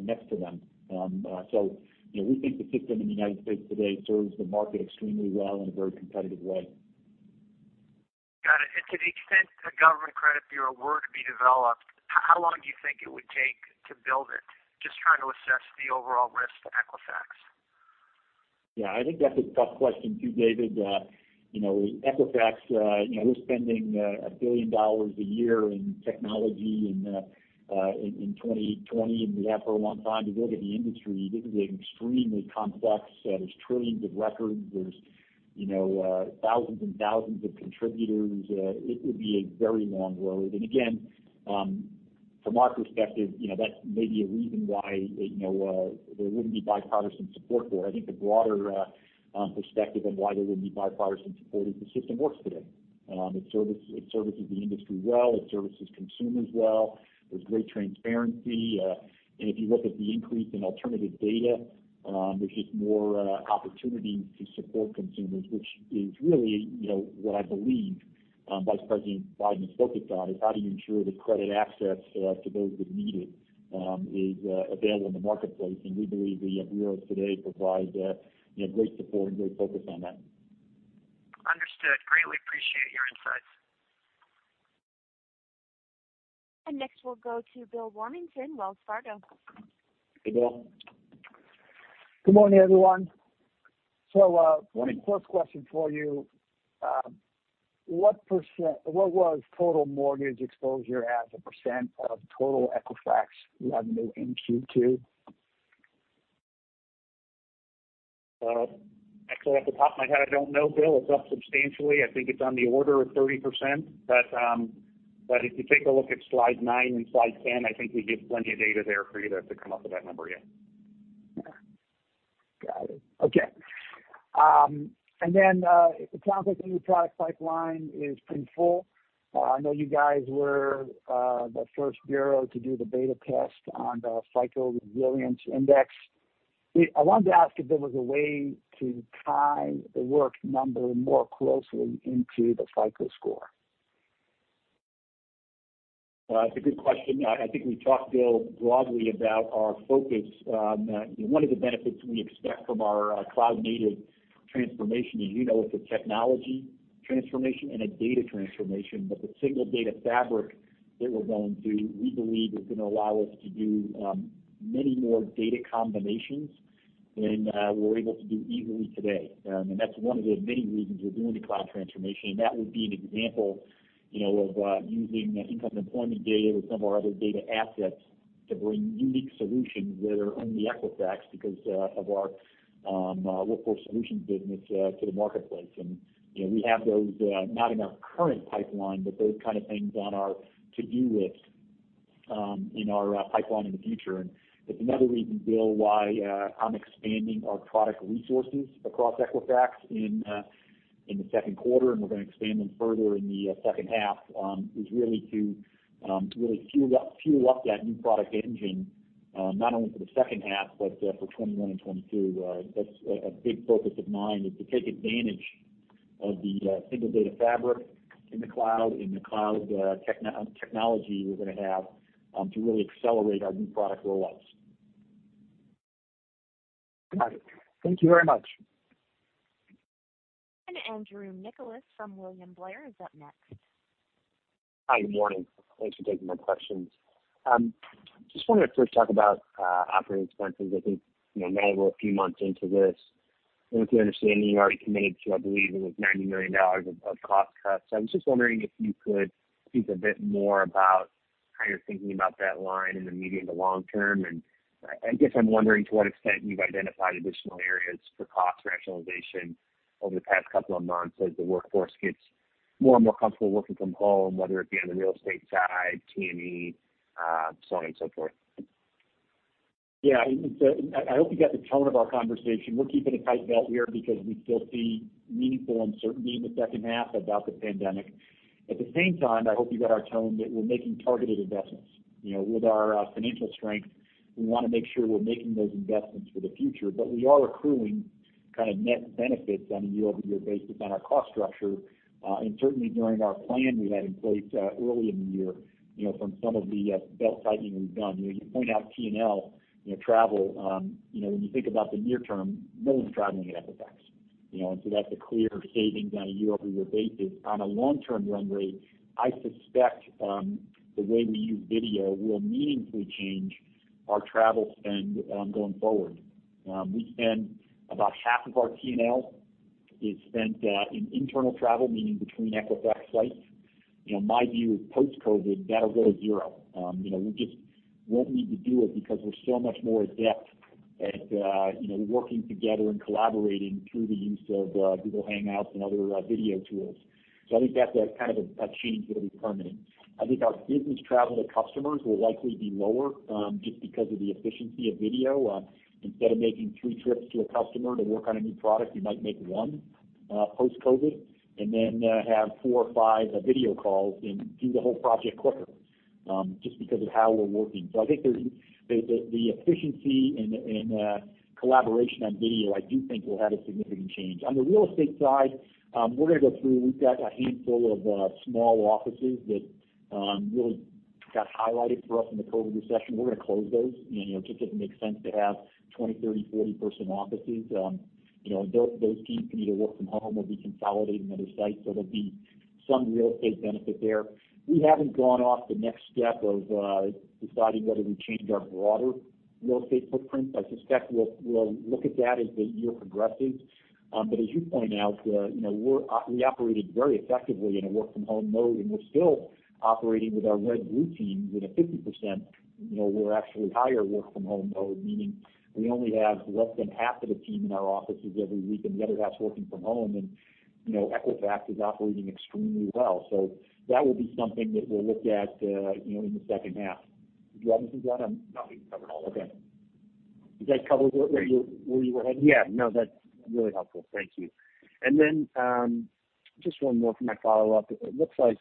S3: next to them. We think the system in the United States today serves the market extremely well in a very competitive way.
S10: Got it. To the extent a government credit bureau were to be developed, how long do you think it would take to build it? Just trying to assess the overall risk to Equifax.
S3: Yeah, I think that is a tough question too, David. Equifax, we are spending $1 billion a year in technology in 2020, and we have for a long time. To go to the industry, this is extremely complex. There are trillions of records. There are thousands and thousands of contributors. It would be a very long road. Again, from our perspective, that's maybe a reason why there wouldn't be bipartisan support for it. I think the broader perspective on why there wouldn't be bipartisan support is the system works today. It services the industry well. It services consumers well. There's great transparency. If you look at the increase in alternative data, there's just more opportunities to support consumers, which is really what I believe Vice President Biden is focused on, is how do you ensure that credit access to those that need it is available in the marketplace? We believe the bureaus today provide great support and great focus on that.
S10: Understood. Greatly appreciate your insights.
S1: Next, we'll go to Bill Warmington, Wells Fargo.
S3: Hey, Bill.
S11: Good morning, everyone. First question for you, what was total mortgage exposure as a percent of total Equifax revenue in Q2?
S4: Actually, off the top of my head, I don't know. Bill, it's up substantially. I think it's on the order of 30%. If you take a look at slide 9 and slide 10, I think we give plenty of data there for you to come up with that number, yeah.
S11: Got it. Okay. It sounds like the new product pipeline is pretty full. I know you guys were the first bureau to do the beta test on the FICO Resilience Index. I wanted to ask if there was a way to tie The Work Number more closely into the FICO score.
S3: That's a good question. I think we talked, Bill, broadly about our focus. One of the benefits we expect from our cloud-native transformation is it's a technology transformation and a data transformation. The single data fabric that we're going to, we believe, is going to allow us to do many more data combinations than we're able to do easily today. That is one of the many reasons we're doing the cloud transformation. That would be an example of using income and employment data with some of our other data assets to bring unique solutions that are only Equifax because of our Workforce Solutions business to the marketplace. We have those not in our current pipeline, but those kinds of things on our to-do list in our pipeline in the future. It is another reason, Bill, why I'm expanding our product resources across Equifax in the second quarter, and we're going to expand them further in the second half. It is really to really fuel up that new product engine, not only for the second half, but for 2021 and 2022. That's a big focus of mine is to take advantage of the single data fabric in the cloud, in the cloud technology we're going to have to really accelerate our new product rollouts.
S11: Got it. Thank you very much.
S1: Andrew Nicholas from William Blair is up next.
S12: Hi, good morning. Thanks for taking my questions. Just wanted to first talk about operating expenses. I think now we're a few months into this. With your understanding, you already committed to, I believe, it was $90 million of cost cuts. I was just wondering if you could speak a bit more about how you're thinking about that line in the medium to long term. I guess I'm wondering to what extent you've identified additional areas for cost rationalization over the past couple of months as the workforce gets more and more comfortable working from home, whether it be on the real estate side, T&E, so on and so forth.
S3: I hope you got the tone of our conversation. We're keeping a tight belt here because we still see meaningful uncertainty in the second half about the pandemic. At the same time, I hope you got our tone that we're making targeted investments. With our financial strength, we want to make sure we're making those investments for the future. We are accruing kind of net benefits on a year-over-year basis on our cost structure. Certainly during our plan we had in place early in the year from some of the belt tightening we've done. You point out T&E, travel. When you think about the near term, no one's traveling at Equifax. And so that's a clear savings on a year-over-year basis. On a long-term run rate, I suspect the way we use video will meaningfully change our travel spend going forward. We spend about half of our T&L is spent in internal travel, meaning between Equifax flights. My view is post-COVID, that'll go to zero. We just won't need to do it because we're so much more adept at working together and collaborating through the use of Google Hangouts and other video tools. So I think that's kind of a change that'll be permanent. I think our business travel to customers will likely be lower just because of the efficiency of video. Instead of making three trips to a customer to work on a new product, you might make one post-COVID and then have four or five video calls and do the whole project quicker just because of how we're working. I think the efficiency and collaboration on video, I do think, will have a significant change. On the real estate side, we're going to go through. We've got a handful of small offices that really got highlighted for us in the COVID recession. We're going to close those just because it makes sense to have 20, 30, 40-person offices. Those teams can either work from home or be consolidated in other sites. There'll be some real estate benefit there. We haven't gone off the next step of deciding whether we change our broader real estate footprint. I suspect we'll look at that as the year progresses. As you point out, we operated very effectively in a work-from-home mode, and we're still operating with our red-blue teams in a 50%. We're actually higher work-from-home mode, meaning we only have less than half of the team in our offices every week and the other half working from home. Equifax is operating extremely well. That will be something that we'll look at in the second half. Did you have anything going on?
S4: No, we've covered all of that.
S3: Okay. You guys covered where you were heading?
S12: Yeah. No, that's really helpful. Thank you. Then just one more for my follow-up. It looks like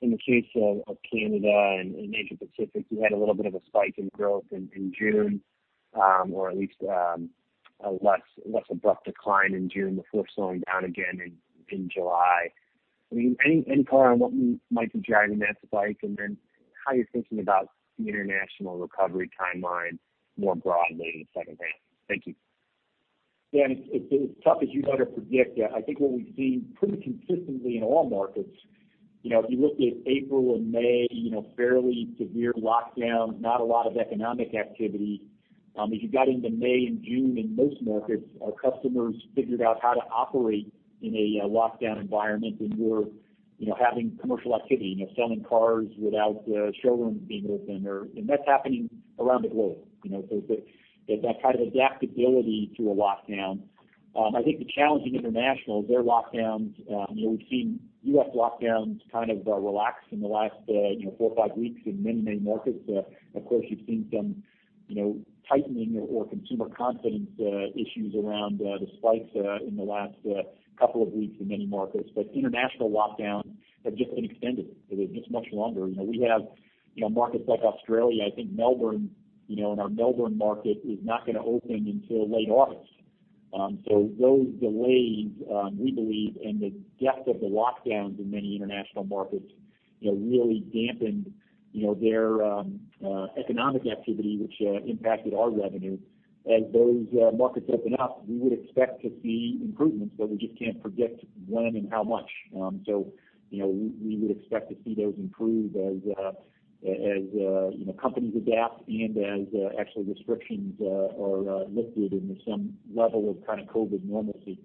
S12: in the case of Canada and Asia Pacific, you had a little bit of a spike in growth in June, or at least a less abrupt decline in June before slowing down again in July. I mean, any color on what might be driving that spike? And then how you're thinking about the international recovery timeline more broadly in the second half. Thank you.
S3: Yeah, it's tough as you'd ever predict. I think what we've seen pretty consistently in all markets, if you look at April and May, fairly severe lockdown, not a lot of economic activity. As you got into May and June in most markets, our customers figured out how to operate in a lockdown environment and were having commercial activity, selling cars without showrooms being open. That's happening around the globe. It's that kind of adaptability to a lockdown. I think the challenge in international is their lockdowns. We've seen U.S. lockdowns kind of relax in the last four or five weeks in many, many markets. Of course, you've seen some tightening or consumer confidence issues around the spikes in the last couple of weeks in many markets. International lockdowns have just been extended. They've been much longer. We have markets like Australia. I think Melbourne, in our Melbourne market, is not going to open until late August. Those delays, we believe, and the depth of the lockdowns in many international markets really dampened their economic activity, which impacted our revenue. As those markets open up, we would expect to see improvements, but we just can't predict when and how much. We would expect to see those improve as companies adapt and as actually restrictions are lifted and there's some level of kind of COVID normalcy.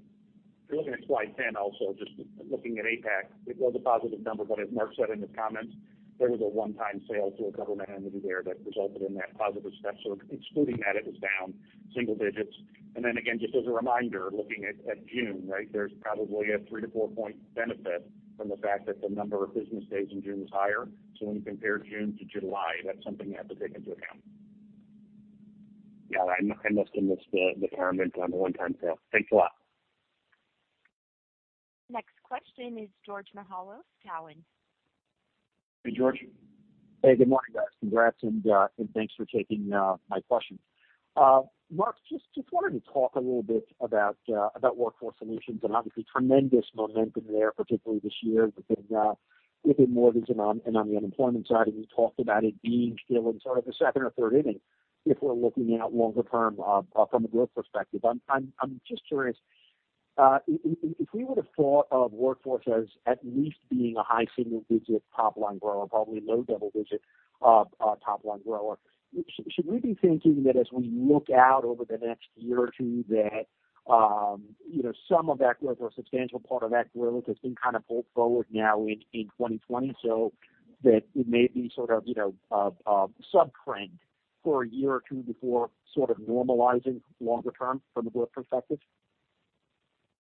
S4: If you look at slide 10 also, just looking at APAC, it was a positive number. As Mark said in his comments, there was a one-time sale to a government entity there that resulted in that positive step. Excluding that, it was down single digits. Again, just as a reminder, looking at June, there is probably a three to four-point benefit from the fact that the number of business days in June was higher. When you compare June to July, that is something you have to take into account.
S12: I must have missed the comment on the one-time sale. Thanks a lot.
S1: Next question is George Mihalos, Cowen.
S3: Hey, George.
S13: Hey, good morning, guys. Congrats and thanks for taking my question. Mark, just wanted to talk a little bit about Workforce Solutions and obviously tremendous momentum there, particularly this year within mortgage and on the unemployment side. We talked about it being still in sort of the second or third inning if we're looking at longer term from a growth perspective. I'm just curious, if we would have thought of Workforce as at least being a high single-digit top-line grower, probably a low double-digit top-line grower, should we be thinking that as we look out over the next year or two that some of that growth or a substantial part of that growth has been kind of pulled forward now in 2020, so that it may be sort of a subtrend for a year or two before sort of normalizing longer term from a growth perspective?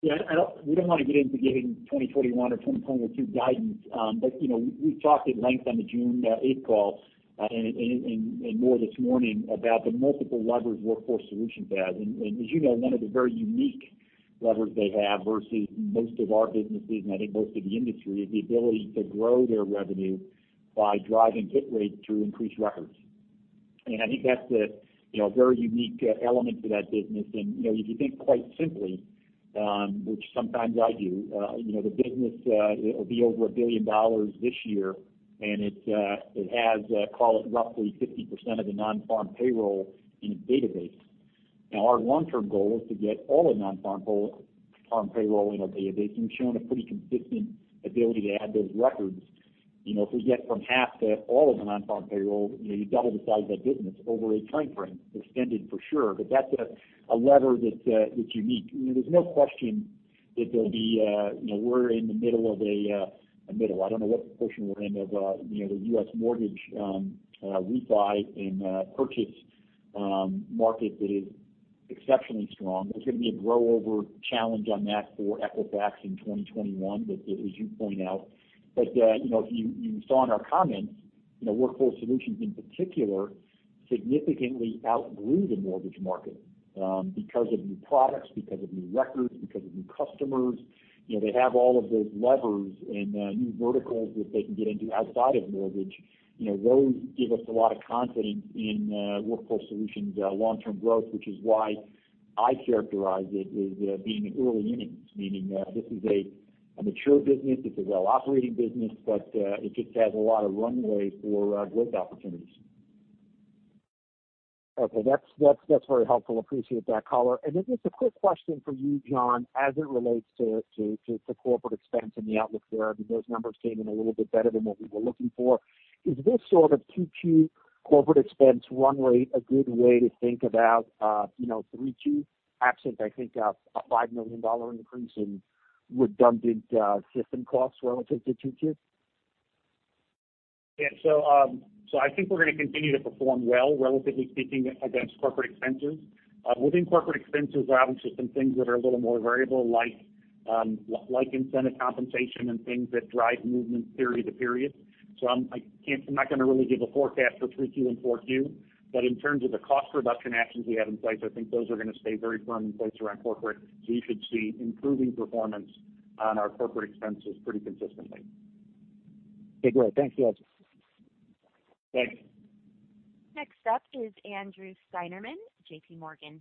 S3: Yeah, we don't want to get into giving 2021 or 2022 guidance. We have talked at length on the June 8th call and more this morning about the multiple levers Workforce Solutions has. As you know, one of the very unique levers they have versus most of our businesses, and I think most of the industry, is the ability to grow their revenue by driving hit rates through increased records. I think that's a very unique element to that business. If you think quite simply, which sometimes I do, the business will be over $1 billion this year, and it has, call it, roughly 50% of the non-farm payroll in its database. Now, our long-term goal is to get all of non-farm payroll in our database. We've shown a pretty consistent ability to add those records. If we get from half to all of the non-farm payroll, you double the size of that business over a time frame. Extended for sure. That's a lever that's unique. There's no question that there'll be, we're in the middle of a middle. I don't know what proportion we're in of the U.S. mortgage refi and purchase market that is exceptionally strong. There's going to be a grow-over challenge on that for Equifax in 2021, as you point out. If you saw in our comments, Workforce Solutions in particular significantly outgrew the mortgage market because of new products, because of new records, because of new customers. They have all of those levers and new verticals that they can get into outside of mortgage. Those give us a lot of confidence in Workforce Solutions' long-term growth, which is why I characterize it as being an early inning, meaning this is a mature business. It's a well-operating business, but it just has a lot of runway for growth opportunities.
S13: Okay, that's very helpful. Appreciate that color. And then just a quick question for you, John, as it relates to corporate expense and the outlook there. I mean, those numbers came in a little bit better than what we were looking for. Is this sort of 2Q corporate expense run rate a good way to think about 3Q? Absent, I think, a $5 million increase in redundant system costs relative to 2Q.
S4: Yeah, so I think we're going to continue to perform well, relatively speaking, against corporate expenses. Within corporate expenses, there are obviously some things that are a little more variable, like incentive compensation and things that drive movement period to period. I'm not going to really give a forecast for 3Q and 4Q. In terms of the cost reduction actions we have in place, I think those are going to stay very firm in place around corporate. You should see improving performance on our corporate expenses pretty consistently.
S13: Okay, great. Thanks, George.
S3: Thanks.
S1: Next up is Andrew Steinerman, JPMorgan.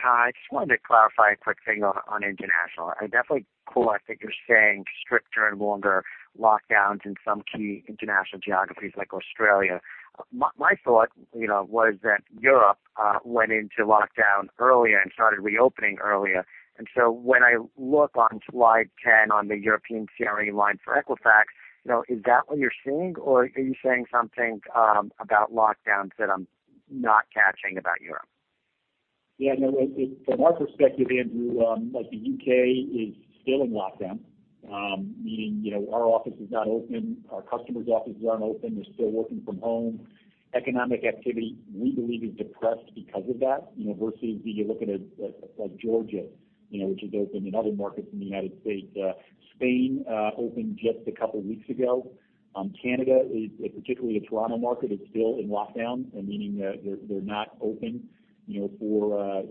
S14: Hi, I just wanted to clarify a quick thing on international. I definitely pull out that you're saying stricter and longer lockdowns in some key international geographies like Australia. My thought was that Europe went into lockdown earlier and started reopening earlier. And so when I look on slide 10 on the European CRE line for Equifax, is that what you're seeing, or are you saying something about lockdowns that I'm not catching about Europe?
S3: Yeah, from our perspective, Andrew, the U.K. is still in lockdown, meaning our office is not open. Our customers' offices aren't open. They're still working from home. Economic activity, we believe, is depressed because of that versus if you look at Georgia, which is open in other markets in the United States. Spain opened just a couple of weeks ago. Canada, particularly the Toronto market, is still in lockdown, meaning they're not open for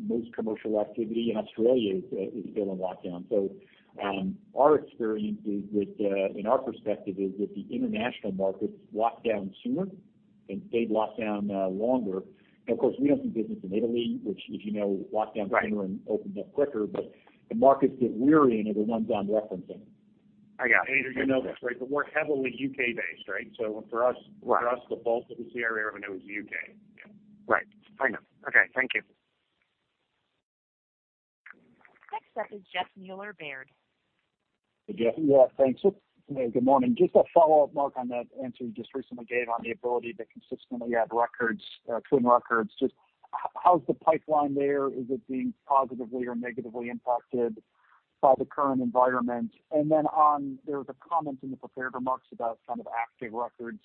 S3: most commercial activity. Australia is still in lockdown. Our experience is that, in our perspective, the international markets locked down sooner and stayed locked down longer. Of course, we don't do business in Italy, which, as you know, locked down sooner and opened up quicker. The markets that we're in are the ones I'm referencing.
S14: I got it.
S3: As you know, that's right. We're heavily U.K.-based, right? For us, the bulk of the CRE revenue is U.K.
S14: Yeah. Right. I know. Okay. Thank you.
S1: Next up is Jeff Meuler, Baird.
S3: Hey, Jeff.
S15: Yeah, thanks. Good morning. Just a follow-up, Mark, on that answer you just recently gave on the ability to consistently have records, TWN records. Just how's the pipeline there? Is it being positively or negatively impacted by the current environment? There was a comment in the prepared remarks about kind of active records,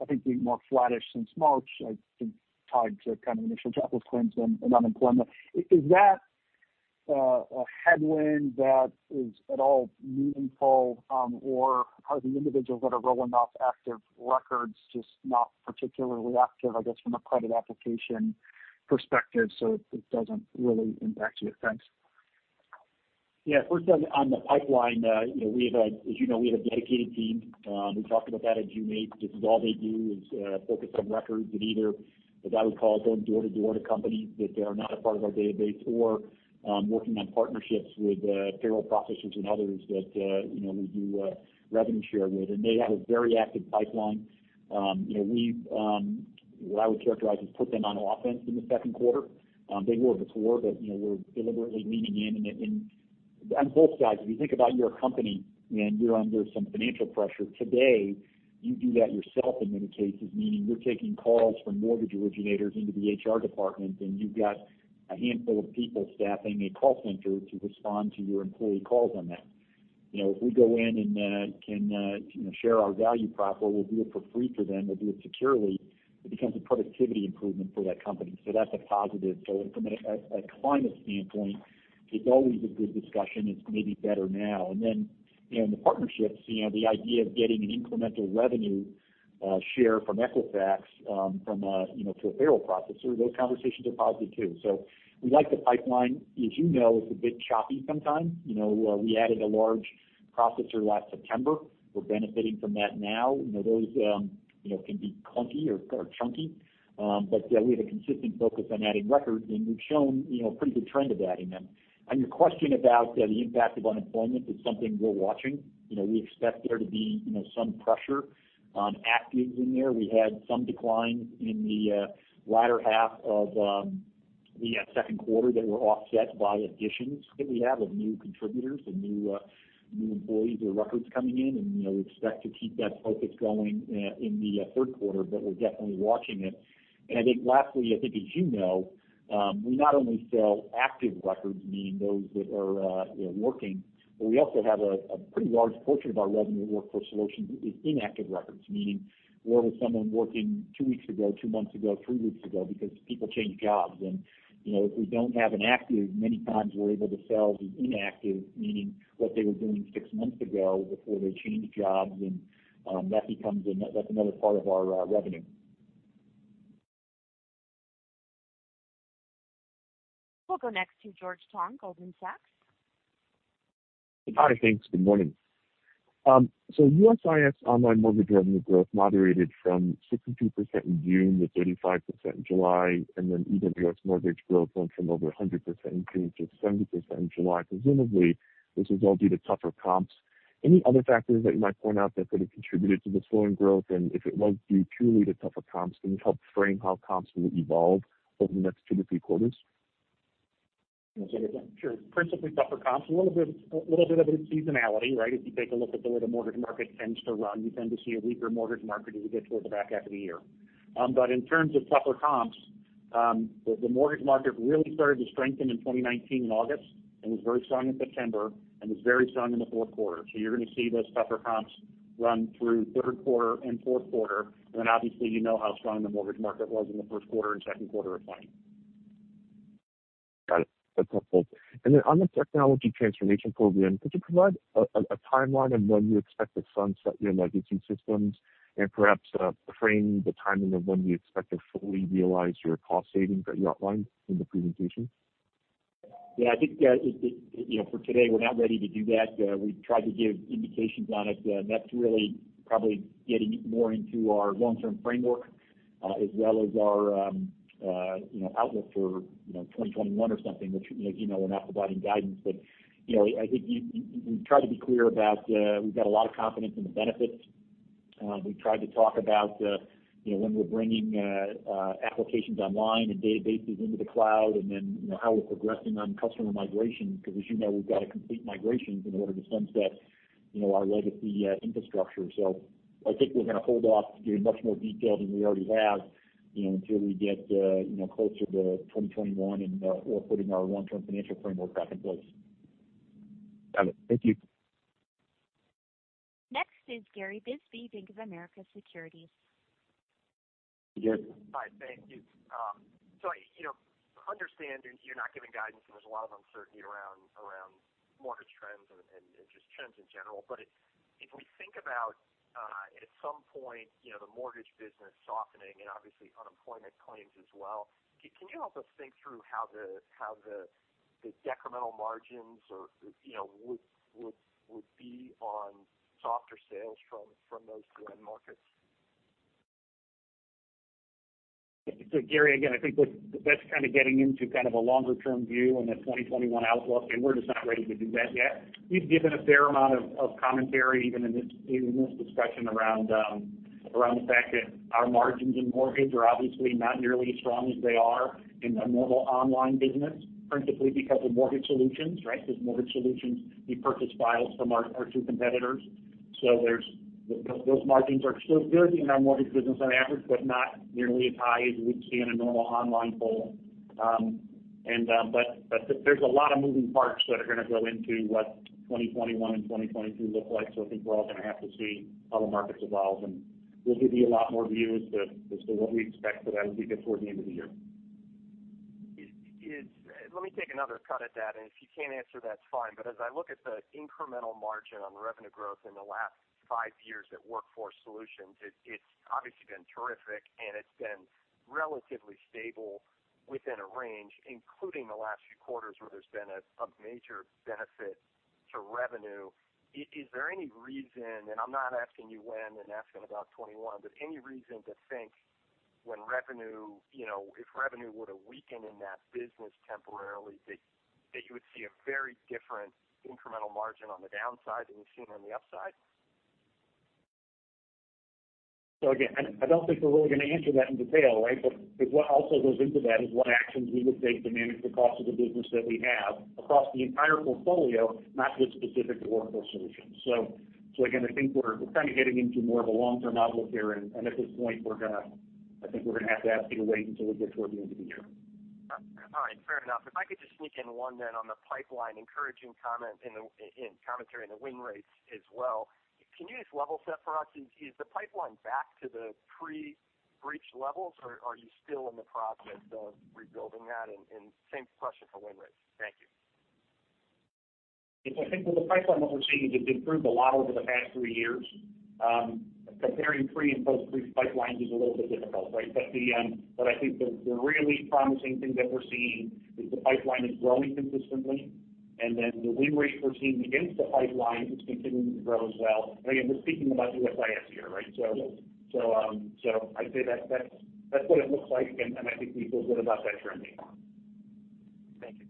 S15: I think, being more flattish since March, I think, tied to kind of initial double TWNs and unemployment. Is that a headwind that is at all meaningful, or are the individuals that are rolling off active records just not particularly active, I guess, from a credit application perspective? It does not really impact you. Thanks.
S3: Yeah. First, on the pipeline, as you know, we have a dedicated team. We talked about that in June 8th. This is all they do is focus on records in either, as I would call it, going door-to-door to companies that are not a part of our database or working on partnerships with payroll processors and others that we do revenue share with. They have a very active pipeline. What I would characterize is put them on offense in the second quarter. They were before, but we are deliberately leaning in. On both sides, if you think about your company and you are under some financial pressure today, you do that yourself in many cases, meaning you are taking calls from mortgage originators into the HR department, and you have a handful of people staffing a call center to respond to your employee calls on that. If we go in and can share our value prop where we'll do it for free for them, we'll do it securely, it becomes a productivity improvement for that company. That is a positive. From a climate standpoint, it's always a good discussion. It's maybe better now. In the partnerships, the idea of getting an incremental revenue share from Equifax to a payroll processor, those conversations are positive too. We like the pipeline. As you know, it's a bit choppy sometimes. We added a large processor last September. We're benefiting from that now. Those can be clunky or chunky. We have a consistent focus on adding records, and we've shown a pretty good trend of adding them. On your question about the impact of unemployment, it's something we're watching. We expect there to be some pressure on actives in there. We had some declines in the latter half of the second quarter that were offset by additions that we have of new contributors and new employees or records coming in. We expect to keep that focus going in the third quarter, but we're definitely watching it. I think lastly, I think, as you know, we not only sell active records, meaning those that are working, but we also have a pretty large portion of our revenue at Workforce Solutions is inactive records, meaning where was someone working two weeks ago, two months ago, three weeks ago? People change jobs. If we don't have an active, many times we're able to sell the inactive, meaning what they were doing six months ago before they changed jobs. That becomesanother part of our revenue.
S1: We'll go next to George Tong, Goldman Sachs.
S16: Hi, thanks. Good morning. USIS online mortgage revenue growth moderated from 62% in June to 35% in July, and then even U.S. mortgage growth went from over 100% in June to 70% in July. Presumably, this was all due to tougher comps. Any other factors that you might point out that could have contributed to the slowing growth? If it was due purely to tougher comps, can you help frame how comps will evolve over the next two to three quarters?
S3: You want to take it, John?
S4: Sure. Principally tougher comps, a little bit of it is seasonality, right? If you take a look at the way the mortgage market tends to run, you tend to see a weaker mortgage market as you get towards the back half of the year. In terms of tougher comps, the mortgage market really started to strengthen in 2019 in August and was very strong in September and was very strong in the fourth quarter. You are going to see those tougher comps run through third quarter and fourth quarter. Obviously, you know how strong the mortgage market was in the first quarter and second quarter of time.
S16: Got it. That is helpful. On the technology transformation program, could you provide a timeline of when you expect to sunset your legacy systems and perhaps frame the timing of when you expect to fully realize your cost savings that you outlined in the presentation?
S3: I think for today, we are not ready to do that. We have tried to give indications on it. That is really probably getting more into our long-term framework as well as our outlook for 2021 or something, which, as you know, we are not providing guidance. I think we have tried to be clear about we have got a lot of confidence in the benefits. We have tried to talk about when we are bringing applications online and databases into the cloud and then how we are progressing on customer migration. Because, as you know, we have got to complete migrations in order to sunset our legacy infrastructure. I think we are going to hold off to get much more detail than we already have until we get closer to 2021 and we are putting our long-term financial framework back in place.
S16: Got it. Thank you.
S1: Next is Gary Bisbee, Bank of America Securities.
S3: Hey, Gary.
S17: Hi, thank you. I understand you're not giving guidance, and there's a lot of uncertainty around mortgage trends and just trends in general. If we think about at some point the mortgage business softening and obviously unemployment claims as well, can you help us think through how the decremental margins would be on softer sales from those two end markets?
S4: Gary, again, I think that's kind of getting into kind of a longer-term view and a 2021 outlook, and we're just not ready to do that yet. You've given a fair amount of commentary even in this discussion around the fact that our margins in mortgage are obviously not nearly as strong as they are in a normal online business, principally because of Mortgage Solutions, right? Because Mortgage Solutions, we purchase files from our two competitors. Those margins are still good in our mortgage business on average, but not nearly as high as you would see in a normal online poll. There are a lot of moving parts that are going to go into what 2021 and 2022 look like. I think we are all going to have to see how the markets evolve. We will give you a lot more view as to what we expect as we get toward the end of the year.
S17: Let me take another cut at that. If you cannot answer that, it is fine. As I look at the incremental margin on revenue growth in the last five years at Workforce Solutions, it has obviously been terrific, and it has been relatively stable within a range, including the last few quarters where there has been a major benefit to revenue. Is there any reason, and I'm not asking you when and asking about 2021, but any reason to think when revenue, if revenue were to weaken in that business temporarily, that you would see a very different incremental margin on the downside than you've seen on the upside?
S4: Again, I don't think we're really going to answer that in detail, right? What also goes into that is what actions we would take to manage the cost of the business that we have across the entire portfolio, not just specific to Workforce Solutions. Again, I think we're kind of getting into more of a long-term outlook here. At this point, I think we're going to have to ask you to wait until we get toward the end of the year.
S17: All right. Fair enough. If I could just sneak in one then on the pipeline, encouraging commentary on the win rates as well. Can you just level set for us? Is the pipeline back to the pre-breach levels, or are you still in the process of rebuilding that? And same question for win rates. Thank you.
S4: I think with the pipeline, what we're seeing is it's improved a lot over the past three years. Comparing pre and post-pre pipelines is a little bit difficult, right? I think the really promising thing that we're seeing is the pipeline is growing consistently. The win rate we're seeing against the pipeline is continuing to grow as well. Again, we're speaking about USIS here, right? I'd say that's what it looks like, and I think we feel good about that trending.
S17: Thank you.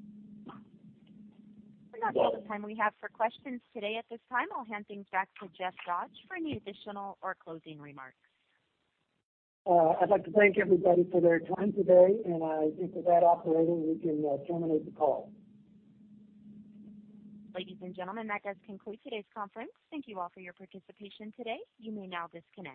S1: We've got little time we have for questions today. At this time, I'll hand things back to Jeff Dodge for any additional or closing remarks.
S2: I'd like to thank everybody for their time today. I think with that, operator, we can terminate the call.
S1: Ladies and gentlemen, that does conclude today's conference. Thank you all for your participation today. You may now disconnect.